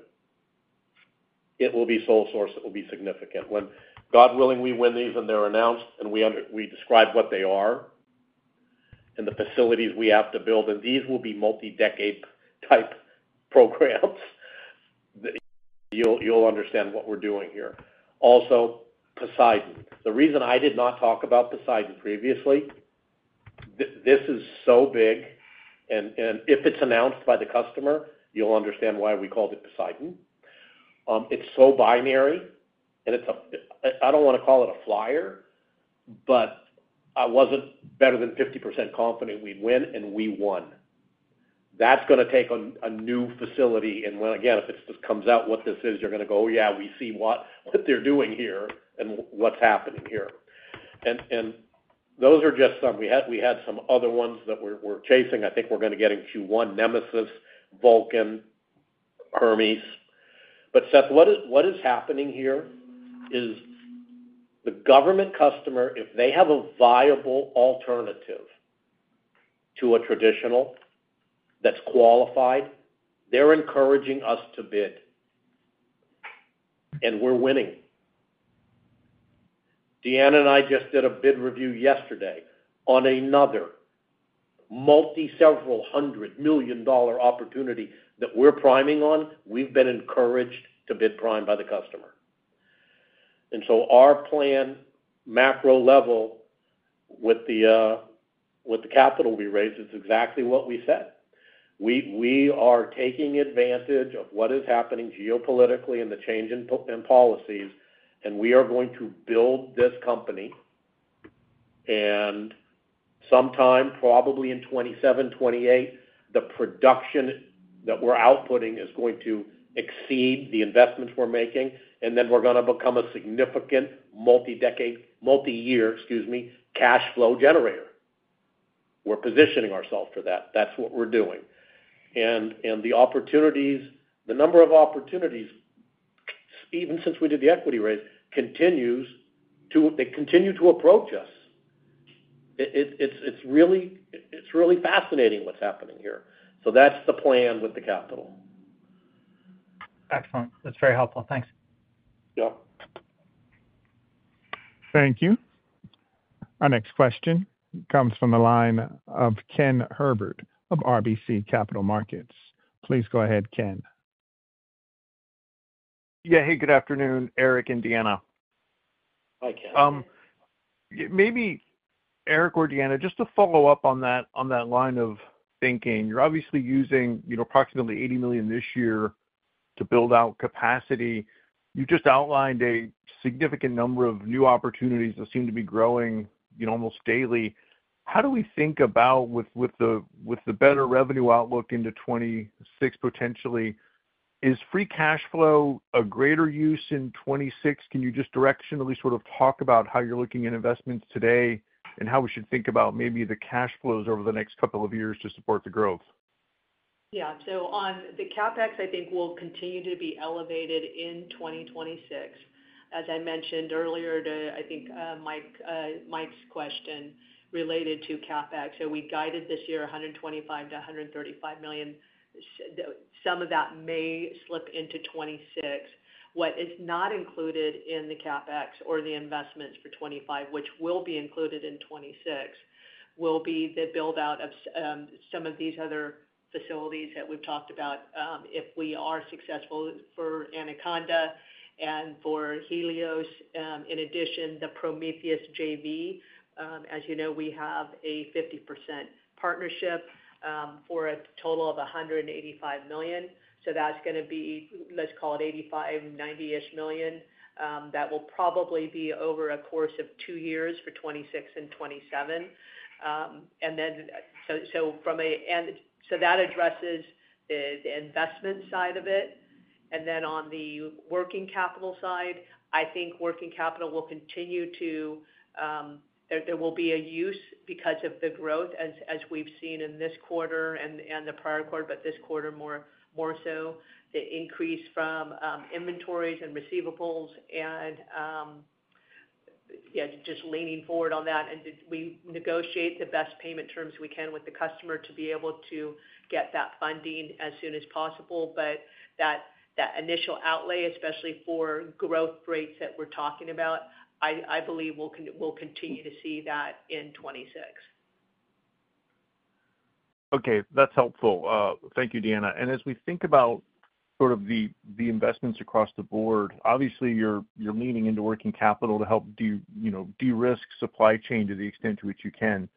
It will be sole source. It will be significant. When, God willing, we win these and they're announced and we describe what they are and the facilities we have to build, and these will be multi-decade type programs, you'll understand what we're doing here. Also, Poseidon. The reason I did not talk about Poseidon previously, this is so big, and if it's announced by the customer, you'll understand why we called it Poseidon. It's so binary, and it's a, I don't want to call it a flyer, but I wasn't better than 50% confident we'd win, and we won. That's going to take a new facility. If it just comes out what this is, you're going to go, "Oh, yeah, we see what they're doing here and what's happening here." Those are just some. We had some other ones that we're chasing. I think we're going to get in Q1, Nemesis, Vulcan, Hermes. Seth, what is happening here is the government customer, if they have a viable alternative to a traditional that's qualified, they're encouraging us to bid, and we're winning. Deanna and I just did a bid review yesterday on another multi-several hundred million dollar opportunity that we're priming on. We've been encouraged to bid prime by the customer. Our plan, macro level, with the capital we raised, it's exactly what we said. We are taking advantage of what is happening geopolitically and the change in policies, and we are going to build this company. Sometime, probably in 2027, 2028, the production that we're outputting is going to exceed the investments we're making, and then we're going to become a significant multi-decade, multi-year, excuse me, cash flow generator. We're positioning ourselves for that. That's what we're doing. The opportunities, the number of opportunities, even since we did the equity raise, continues to, they continue to approach us. It's really fascinating what's happening here. That's the plan with the capital. Excellent. That's very helpful. Thanks. Thank you. Our next question comes from the line of Ken Herbert of RBC Capital Markets. Please go ahead, Ken. Yeah. Hey, good afternoon, Eric and Deanna. Hi, Ken. Maybe Eric or Deanna, just to follow up on that line of thinking, you're obviously using approximately $80 million this year to build out capacity. You just outlined a significant number of new opportunities that seem to be growing almost daily. How do we think about, with the better revenue outlook into 2026 potentially, is free cash flow a greater use in 2026? Can you just directionally sort of talk about how you're looking at investments today and how we should think about maybe the cash flows over the next couple of years to support the growth? Yeah. On the CapEx, I think we'll continue to be elevated in 2026. As I mentioned earlier to, I think, Mike's question related to CapEx. We guided this year $125 millio-$135 million. Some of that may slip into 2026. What is not included in the CapEx or the investments for 2025, which will be included in 2026, will be the build-out of some of these other facilities that we've talked about. If we are successful for Anaconda and for Helios, in addition, the Prometheus JV, as you know, we have a 50% partnership for a total of $185 million. That's going to be, let's call it $85 million, $90-ish million. That will probably be over a course of two years for 2026 and 2027. From an investment side, that addresses it. On the working capital side, I think working capital will continue to, there will be a use because of the growth, as we've seen in this quarter and the prior quarter, but this quarter more so, the increase from inventories and receivables. Just leaning forward on that. We negotiate the best payment terms we can with the customer to be able to get that funding as soon as possible. That initial outlay, especially for growth rates that we're talking about, I believe we'll continue to see that in 2026. Okay. That's helpful. Thank you, Deanna. As we think about sort of the investments across the board, obviously, you're leaning into working capital to help de-risk supply chain to the extent to which you can.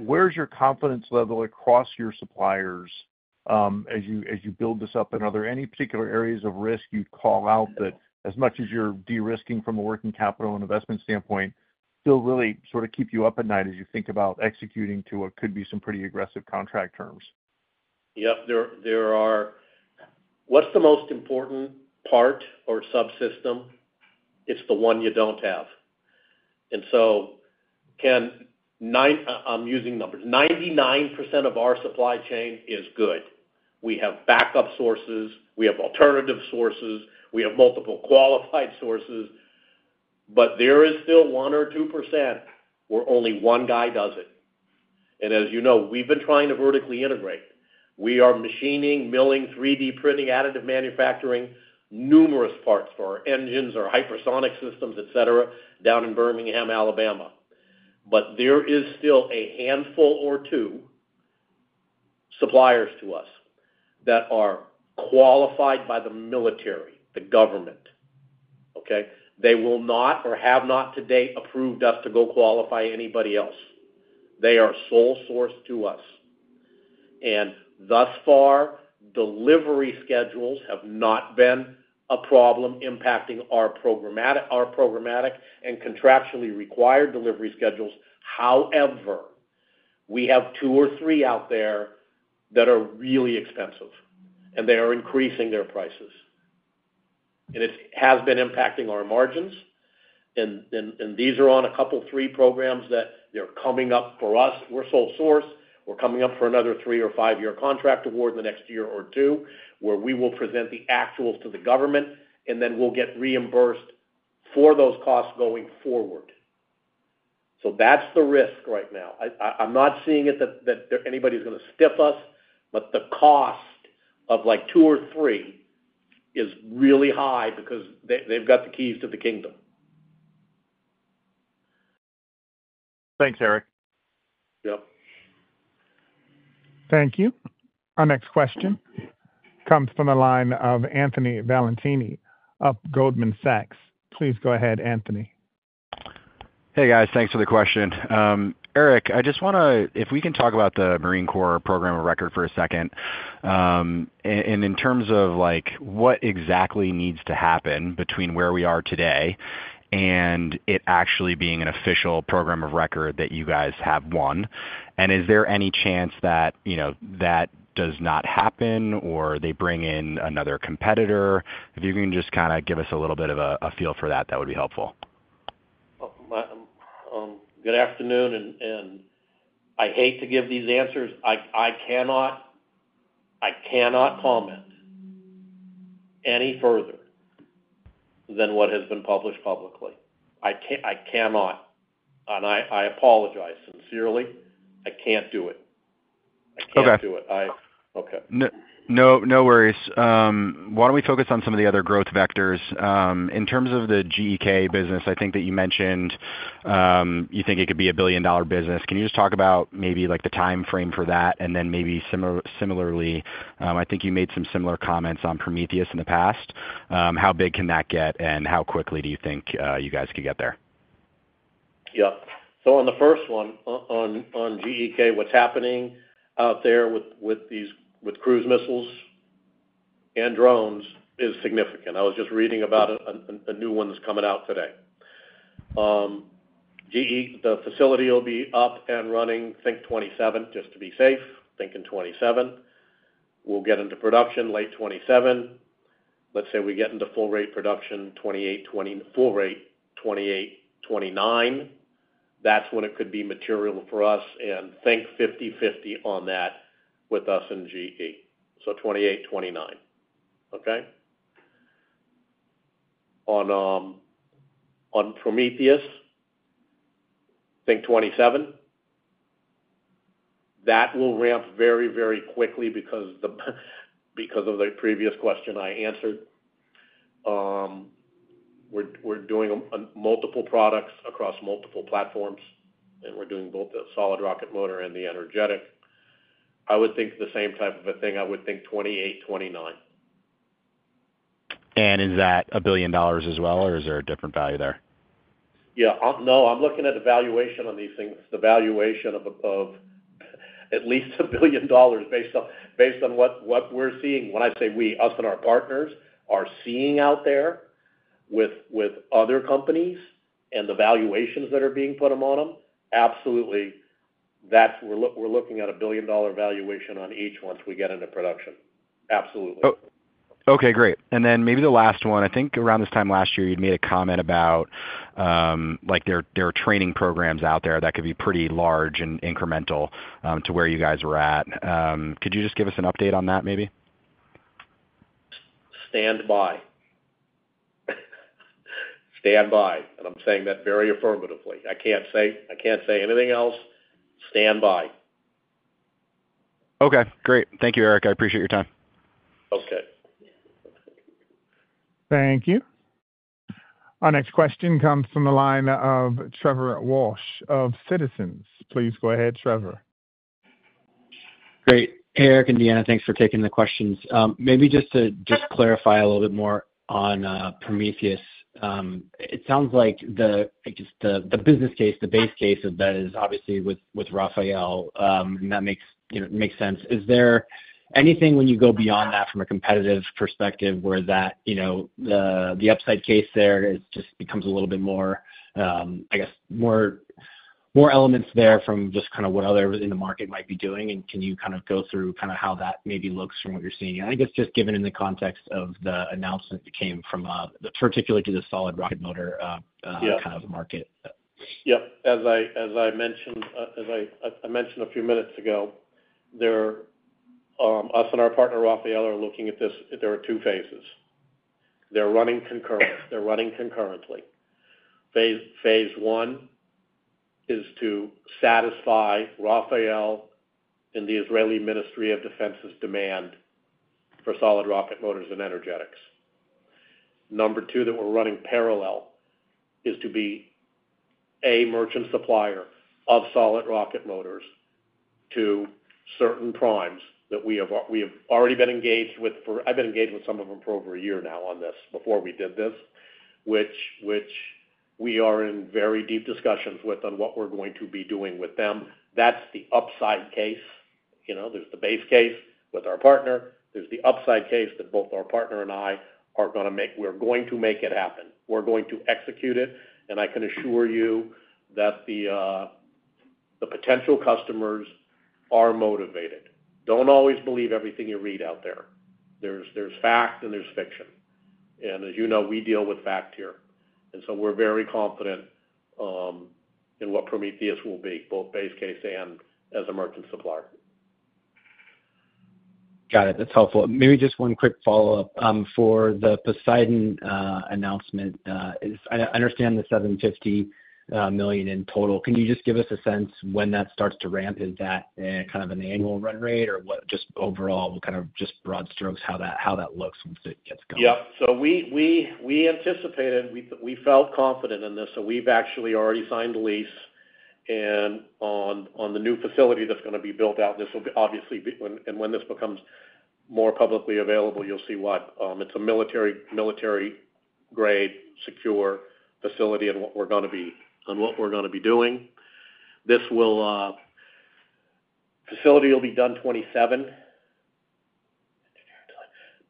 Where's your confidence level across your suppliers as you build this up? Are there any particular areas of risk you'd call out that, as much as you're de-risking from a working capital and investment standpoint, still really sort of keep you up at night as you think about executing to what could be some pretty aggressive contract terms? Yep. What's the most important part or subsystem? It's the one you don't have. Ken, I'm using numbers. 99% of our supply chain is good. We have backup sources, alternative sources, and multiple qualified sources. There is still 1% or 2% where only one guy does it. As you know, we've been trying to vertically integrate. We are machining, milling, 3D printing, additive manufacturing numerous parts for our engines, our hypersonic systems, etc., down in Birmingham, Alabama. There is still a handful or two suppliers to us that are qualified by the military, the government. They will not or have not to date approved us to go qualify anybody else. They are sole source to us. Thus far, delivery schedules have not been a problem impacting our programmatic and contractually required delivery schedules. However, we have two or three out there that are really expensive, and they are increasing their prices. It has been impacting our margins. These are on a couple three programs that they're coming up for us. We're sole source. We're coming up for another three or five-year contract award in the next year or two where we will present the actuals to the government, and then we'll get reimbursed for those costs going forward. That's the risk right now. I'm not seeing it that anybody's going to stiff us, but the cost of like two or three is really high because they've got the keys to the kingdom. Thanks, Eric. Thank you. Our next question comes from the line of Anthony Valentini of Goldman Sachs Group, Inc. Please go ahead, Anthony. Hey, guys. Thanks for the question. Eric, I just want to, if we can talk about the Marine Corps program of record for a second, and in terms of what exactly needs to happen between where we are today and it actually being an official program of record that you guys have won. Is there any chance that does not happen or they bring in another competitor? If you can just kind of give us a little bit of a feel for that, that would be helpful. Good afternoon. I hate to give these answers. I cannot comment any further than what has been published publicly. I cannot, and I apologize sincerely. I can't do it. I can't do it. Okay. No worries. Why don't we focus on some of the other growth vectors? In terms of the GEK business, I think that you mentioned you think it could be a billion-dollar business. Can you just talk about maybe like the timeframe for that? Then maybe similarly, I think you made some similar comments on Prometheus in the past. How big can that get and how quickly do you think you guys could get there? On the first one, on GEK, what's happening out there with these cruise missiles and drones is significant. I was just reading about a new one that's coming out today. The facility will be up and running, think 2027, just to be safe. Think in 2027. We'll get into production late 2027. Let's say we get into full-rate production 2028, full rate 2028, 2029. That's when it could be material for us and think 50/50 on that with us and GE. So 2028, 2029. Okay? On Prometheus, think 2027. That will ramp very, very quickly because of the previous question I answered. We're doing multiple products across multiple platforms, and we're doing both the solid rocket motor and the energetic. I would think the same type of a thing. I would think 2028, 2029. Is that a billion dollars as well, or is there a different value there? Yeah. No, I'm looking at the valuation on these things. The valuation of at least $1 billion based on what we're seeing. When I say we, us and our partners are seeing out there with other companies and the valuations that are being put on them, absolutely, that's we're looking at a $1 billion valuation on each once we get into production. Absolutely. Okay. Great. Maybe the last one, I think around this time last year, you'd made a comment about like there are training programs out there that could be pretty large and incremental to where you guys were at. Could you just give us an update on that, maybe? Stand by. I'm saying that very affirmatively. I can't say anything else. Stand by. Okay. Great. Thank you, Eric. I appreciate your time. Thank you. Our next question comes from the line of Trevor Walsh of Citizens. Please go ahead, Trevor. Great. Hey, Eric and Deanna, thanks for taking the questions. Maybe just to clarify a little bit more on Prometheus. It sounds like the business case, the base case of that is obviously with Rafael, and that makes sense. Is there anything when you go beyond that from a competitive perspective where the upside case there, it just becomes a little bit more, I guess, more elements there from just kind of what others in the market might be doing? Can you kind of go through how that maybe looks from what you're seeing? I guess just given in the context of the announcement that came from the particular to the solid rocket motor kind of market. As I mentioned a few minutes ago, us and our partner, Rafael, are looking at this. There are two phases. They're running concurrently. Phase one is to satisfy Rafael and the Israeli Ministry of Defense's demand for solid rocket motors and energetics. Number two that we're running parallel is to be a merchant supplier of solid rocket motors to certain primes that we have already been engaged with for, I've been engaged with some of them for over a year now on this before we did this, which we are in very deep discussions with on what we're going to be doing with them. That's the upside case. You know, there's the base case with our partner. There's the upside case that both our partner and I are going to make, we're going to make it happen. We're going to execute it. I can assure you that the potential customers are motivated. Don't always believe everything you read out there. There's facts and there's fiction. As you know, we deal with facts here. We're very confident in what Prometheus will be, both base case and as a merchant supplier. Got it. That's helpful. Maybe just one quick follow-up for the Poseidon announcement. I understand the $750 million in total. Can you just give us a sense when that starts to ramp? Is that kind of an annual run rate or what, just overall, what kind of just broad strokes how that looks once it gets going? Yeah. We anticipated, we felt confident in this, and we've actually already signed a lease on the new facility that's going to be built out. This will be, obviously, and when this becomes more publicly available, you'll see that it's a military-grade secure facility and what we're going to be doing. This facility will be done 2027.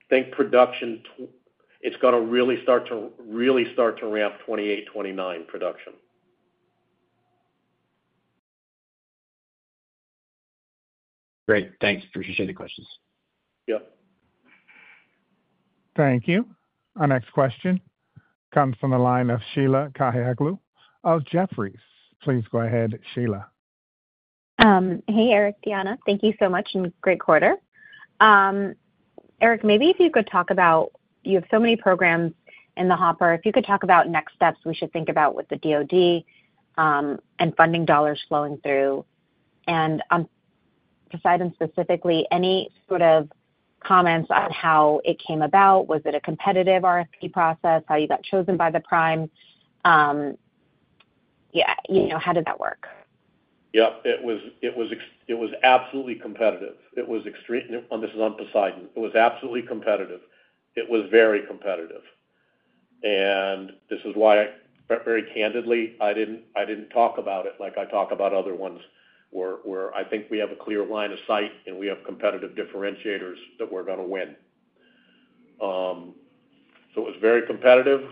Think production, it's going to really start to ramp 2028, 2029 production. Great. Thanks. Appreciate the questions. Yep. Thank you. Our next question comes from the line of Sheila Kahyaoglu of Jefferies. Please go ahead, Sheila. Hey, Eric, Deanna. Thank you so much and great quarter. Eric, maybe if you could talk about, you have so many programs in the hopper, if you could talk about next steps we should think about with the DOD and funding dollars flowing through. On Poseidon specifically, any sort of comments on how it came about? Was it a competitive RFP process, how you got chosen by the prime? Yeah, you know, how did that work? Yep. It was absolutely competitive. It was extremely, and this is on Poseidon. It was absolutely competitive. It was very competitive. This is why I very candidly, I didn't talk about it like I talk about other ones where I think we have a clear line of sight and we have competitive differentiators that we're going to win. It was very competitive.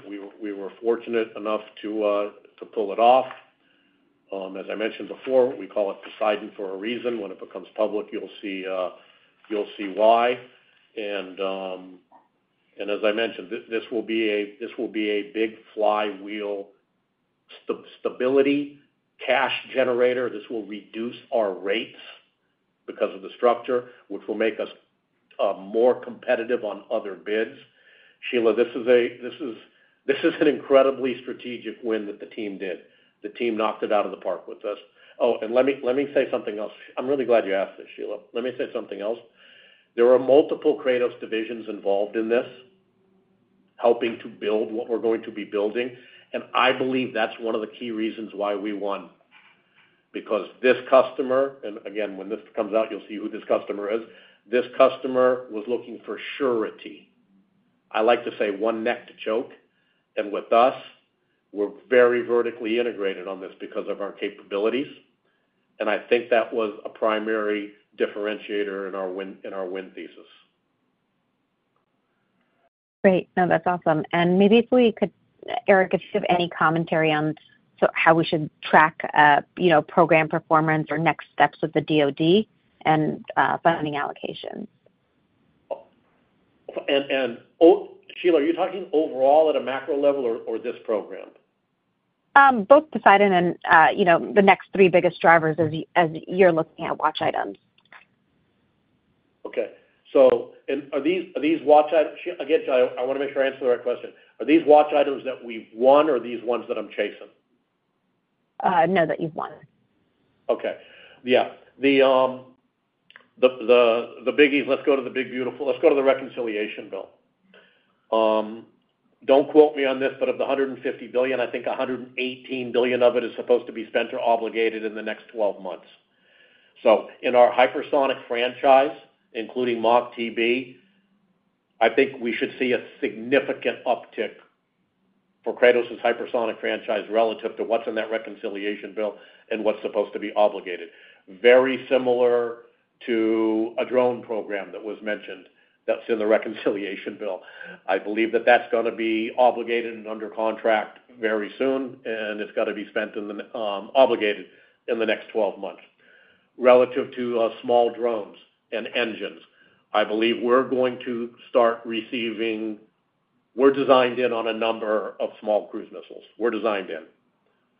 We were fortunate enough to pull it off. As I mentioned before, we call it Poseidon for a reason. When it becomes public, you'll see why. As I mentioned, this will be a big flywheel stability cash generator. This will reduce our rates because of the structure, which will make us more competitive on other bids. Sheila, this is an incredibly strategic win that the team did. The team knocked it out of the park with us. Oh, let me say something else. I'm really glad you asked this, Sheila. Let me say something else. There are multiple Kratos divisions involved in this, helping to build what we're going to be building. I believe that's one of the key reasons why we won. Because this customer, and again, when this comes out, you'll see who this customer is. This customer was looking for surety. I like to say one neck to choke. With us, we're very vertically integrated on this because of our capabilities. I think that was a primary differentiator in our win thesis. Great, that's awesome. Maybe if we could, Eric, if you have any commentary on how we should track program performance or next steps with the DOD and funding allocation. Sheila, are you talking overall at a macro level or this program? Both Poseidon and the next three biggest drivers as you're looking at watch items. Okay. Are these watch items? I want to make sure I answer the right question. Are these watch items that we've won, or are these ones that I'm chasing? No, that you've won. Okay. Yeah. The biggies, let's go to the big beautiful, let's go to the reconciliation bill. Don't quote me on this, but of the $150 billion, I think $118 billion of it is supposed to be spent or obligated in the next 12 months. In our hypersonic franchise, including Mach-TB, I think we should see a significant uptick for Kratos's hypersonic franchise relative to what's in that reconciliation bill and what's supposed to be obligated. Very similar to a drone program that was mentioned that's in the reconciliation bill. I believe that that's going to be obligated and under contract very soon, and it's got to be spent and obligated in the next 12 months. Relative to small drones and engines, I believe we're going to start receiving, we're designed in on a number of small cruise missiles. We're designed in.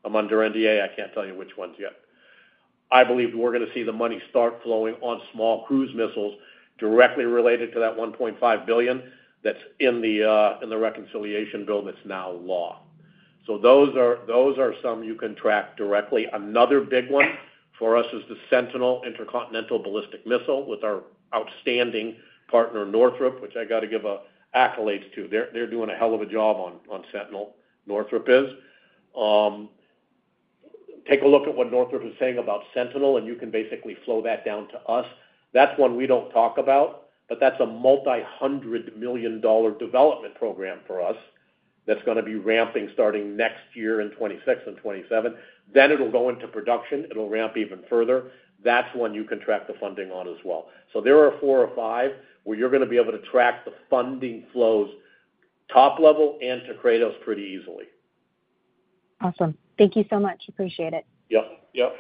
I'm under NDA. I can't tell you which ones yet. I believe we're going to see the money start flowing on small cruise missiles directly related to that $1.5 billion that's in the reconciliation bill that's now law. Those are some you can track directly. Another big one for us is the Sentinel intercontinental ballistic missile with our outstanding partner Northrop, which I got to give accolades to. They're doing a hell of a job on Sentinel. Northrop is. Take a look at what Northrop is saying about Sentinel, and you can basically flow that down to us. That's one we don't talk about, but that's a multi-hundred million dollar development program for us that's going to be ramping starting next year in 2026 and 2027. It will go into production. It will ramp even further. That's one you can track the funding on as well. There are four or five where you're going to be able to track the funding flows top level and to Kratos pretty easily. Awesome. Thank you so much. Appreciate it. Yep. Yep.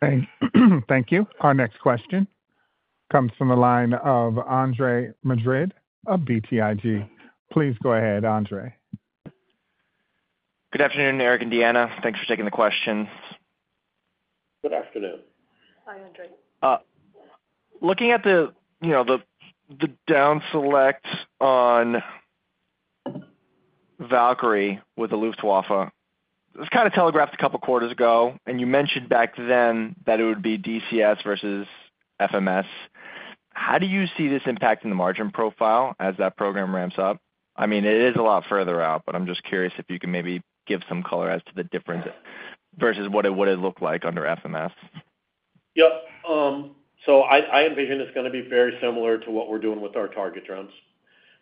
Great. Thank you. Our next question comes from the line of Andre Madrid of BTIG. Please go ahead, Andre. Good afternoon, Eric and Deanna. Thanks for taking the questions. Good afternoon. Hi, Andre. Looking at the, you know, the down select on Valkyrie with the Luftwaffe, it was kind of telegraphed a couple of quarters ago, and you mentioned. Back then that it would be DCS versus FMS. How do you see this impacting the margin profile as that program ramps up? I mean, it is a lot further out, but I'm just curious if you can maybe give some color as to the difference versus what it would have looked like under FMS. Yep. I envision it's going to be very similar to what we're doing with our target drones.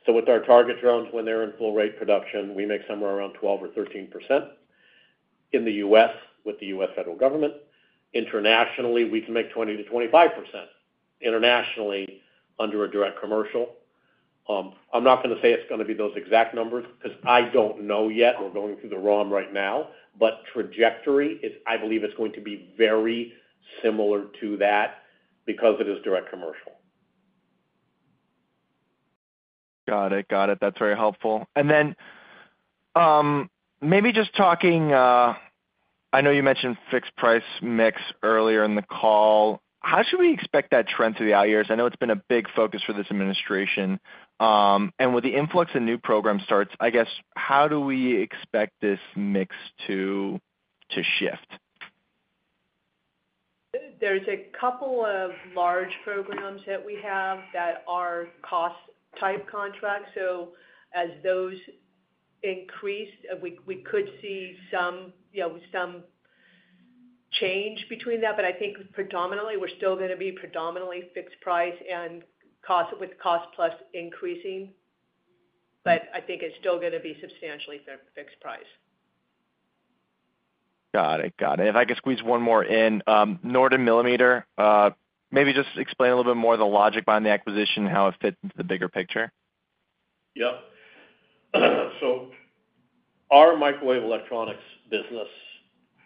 With our target drones, when they're in full-rate production, we make somewhere around 12% or 13% in the U.S. with the U.S. federal government. Internationally, we can make 20%-25%. Internationally, under a direct commercial, I'm not going to say it's going to be those exact numbers because I don't know yet. We're going through the ROM right now. Trajectory is, I believe it's going to be very similar to that because it is direct commercial. Got it. That's very helpful. Maybe just talking, I know you mentioned fixed price mix earlier in the call. How should we expect that trend through the out years? I know it's been a big focus for this administration, and with the influx of new program starts, I guess, how do we expect this mix to shift? are a couple of large programs that we have that are cost-type contracts. As those increase, we could see some change between that. I think predominantly, we're still going to be predominantly fixed price and cost with cost plus increasing. I think it's still going to be substantially fixed price. Got it. Got it. If I could squeeze one more in, Norden Millimeter, maybe just explain a little bit more of the logic behind the acquisition and how it fits into the bigger picture. Yep. Our microwave electronics business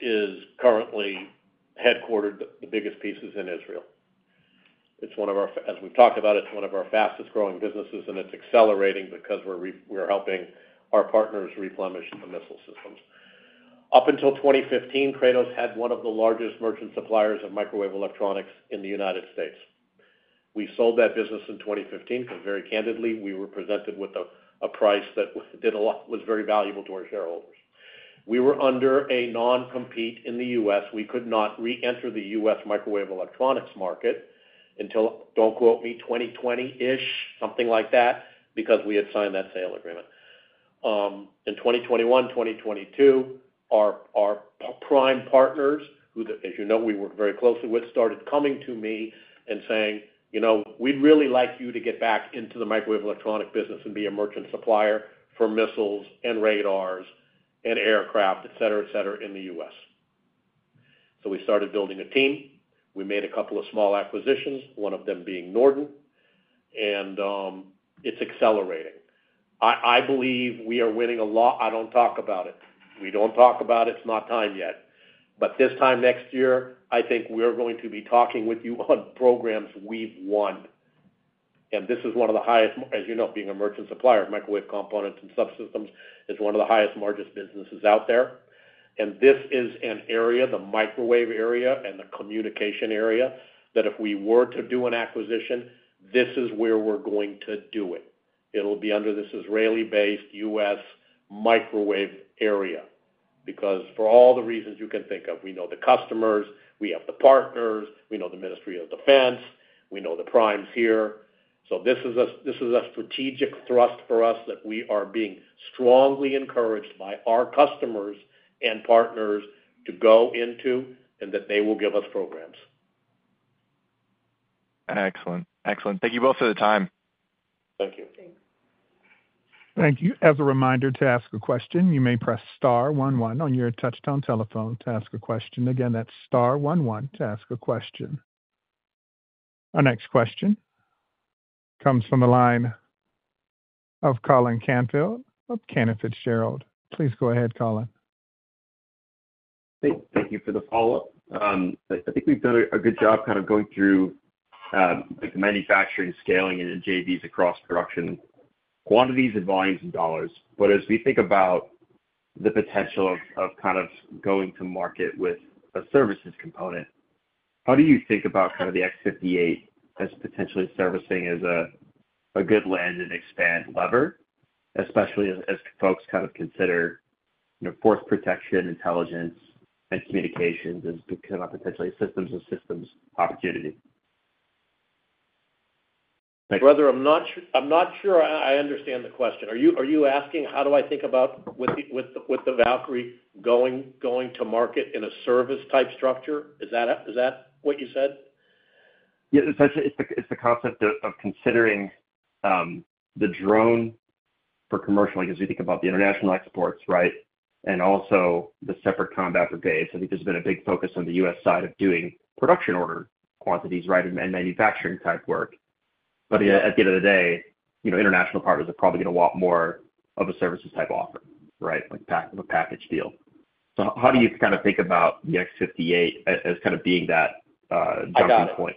is currently headquartered, the biggest piece is in Israel. It's one of our, as we've talked about, it's one of our fastest growing businesses, and it's accelerating because we're helping our partners replenish the missile systems. Up until 2015, Kratos had one of the largest merchant suppliers of microwave electronics in the United States. We sold that business in 2015 because, very candidly, we were presented with a price that did a lot, was very valuable to our shareholders. We were under a non-compete in the U.S. We could not re-enter the U.S. microwave electronics market until, don't quote me, 2020-ish, something like that, because we had signed that sale agreement. In 2021, 2022, our prime partners, who, as you know, we work very closely with, started coming to me and saying, you know, we'd really like you to get back into the microwave electronics business and be a merchant supplier for missiles and radars and aircraft, etc., etc., in the U.S. We started building a team. We made a couple of small acquisitions, one of them being Norden, and it's accelerating. I believe we are winning a lot. I don't talk about it. We don't talk about it. It's not time yet. This time next year, I think we're going to be talking with you on programs we've won. This is one of the highest, as you know, being a merchant supplier of microwave components and subsystems, is one of the highest margin businesses out there. This is an area, the microwave area and the communication area, that if we were to do an acquisition, this is where we're going to do it. It'll be under this Israeli-based U.S. microwave area because for all the reasons you can think of, we know the customers, we have the partners, we know the Ministry of Defense, we know the primes here. This is a strategic thrust for us that we are being strongly encouraged by our customers and partners to go into and that they will give us programs. Excellent. Excellent. Thank you both for the time. Thank you. Thank you. As a reminder, to ask a question, you may press star one one on your touch-tone telephone to ask a question. Again, that's star one one to ask a question. Our next question comes from a line of Colin Canfield of Cantor Fitzgerald. Please go ahead, Colin. Thank you for the follow-up. I think we've done a good job going through the manufacturing, scaling, and JVs across production quantities and volumes and dollars. As we think about the potential of going to market with a services component, how do you think about the XQ-58 as potentially serving as a good land and expand lever, especially as folks consider, you know, force protection, intelligence, and communications as potentially systems and systems opportunity? I'm not sure I understand the question. Are you asking how do I think about with the Valkyrie going to market in a service-type structure? Is that what you said? Yeah. It's the concept of considering the drone for commercial, like as you think about the international exports, right? Also the separate combat for base. I think there's been a big focus on the U.S. side of doing production order quantities, right, and manufacturing type work. At the end of the day, you know, international partners are probably going to want more of a services type offer, right, like a package deal. How do you kind of think about the XQ-58 as kind of being that jumping point?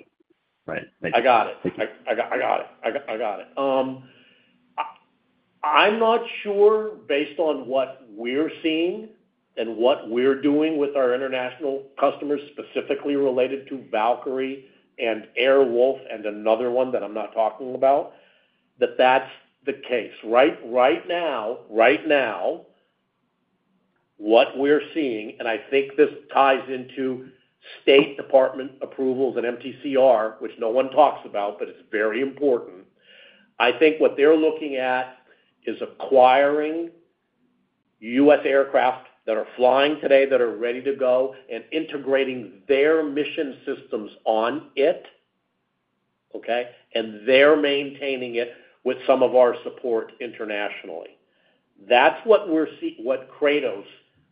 I'm not sure based on what we're seeing and what we're doing with our international customers specifically related to Valkyrie and Airwolf and another one that I'm not talking about, that that's the case, right? Right now, what we're seeing, and I think this ties into State Department approvals and MTCR, which no one talks about, but it's very important. I think what they're looking at is acquiring U.S. aircraft that are flying today that are ready to go and integrating their mission systems on it, okay? They're maintaining it with some of our support internationally. That's what we're seeing, what Kratos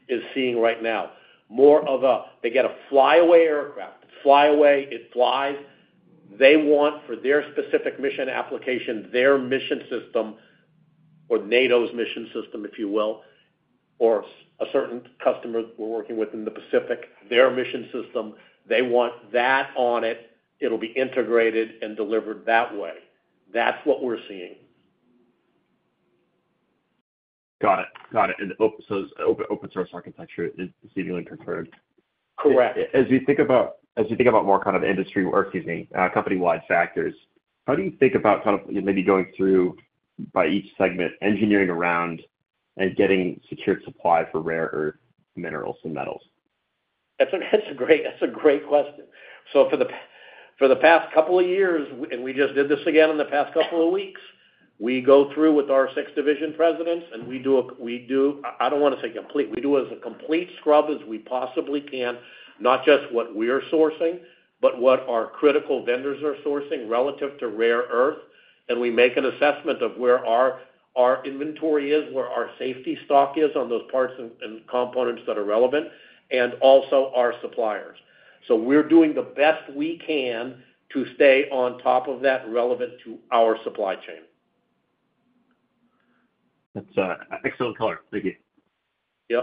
is seeing right now. More of a, they get a flyaway aircraft. Flyaway, it flies. They want for their specific mission application, their mission system, or NATO's mission system, if you will, or a certain customer we're working with in the Pacific, their mission system. They want that on it. It'll be integrated and delivered that way. That's what we're seeing. Got it. Got it. Open architecture is seemingly preferred. Correct. As you think about more kind of industry work, excuse me, company-wide factors, how do you think about maybe going through by each segment, engineering around and getting secured supply for rare earth minerals and metals? That's a great question. For the past couple of years, and we just did this again in the past couple of weeks, we go through with our six division presidents and we do as complete a scrub as we possibly can, not just what we're sourcing, but what our critical vendors are sourcing relative to rare earth. We make an assessment of where our inventory is, where our safety stock is on those parts and components that are relevant, and also our suppliers. We're doing the best we can to stay on top of that relevant to our supply chain. That's excellent color. Thank you.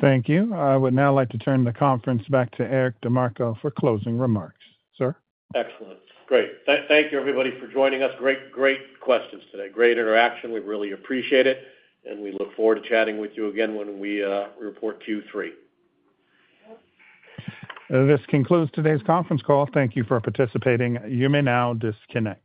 Thank you. I would now like to turn the conference back to Eric DeMarco for closing remarks, sir. Excellent. Great. Thank you, everybody, for joining us. Great, great questions today. Great interaction. We really appreciate it. We look forward to chatting with you again when we report Q3. This concludes today's conference call. Thank you for participating. You may now disconnect.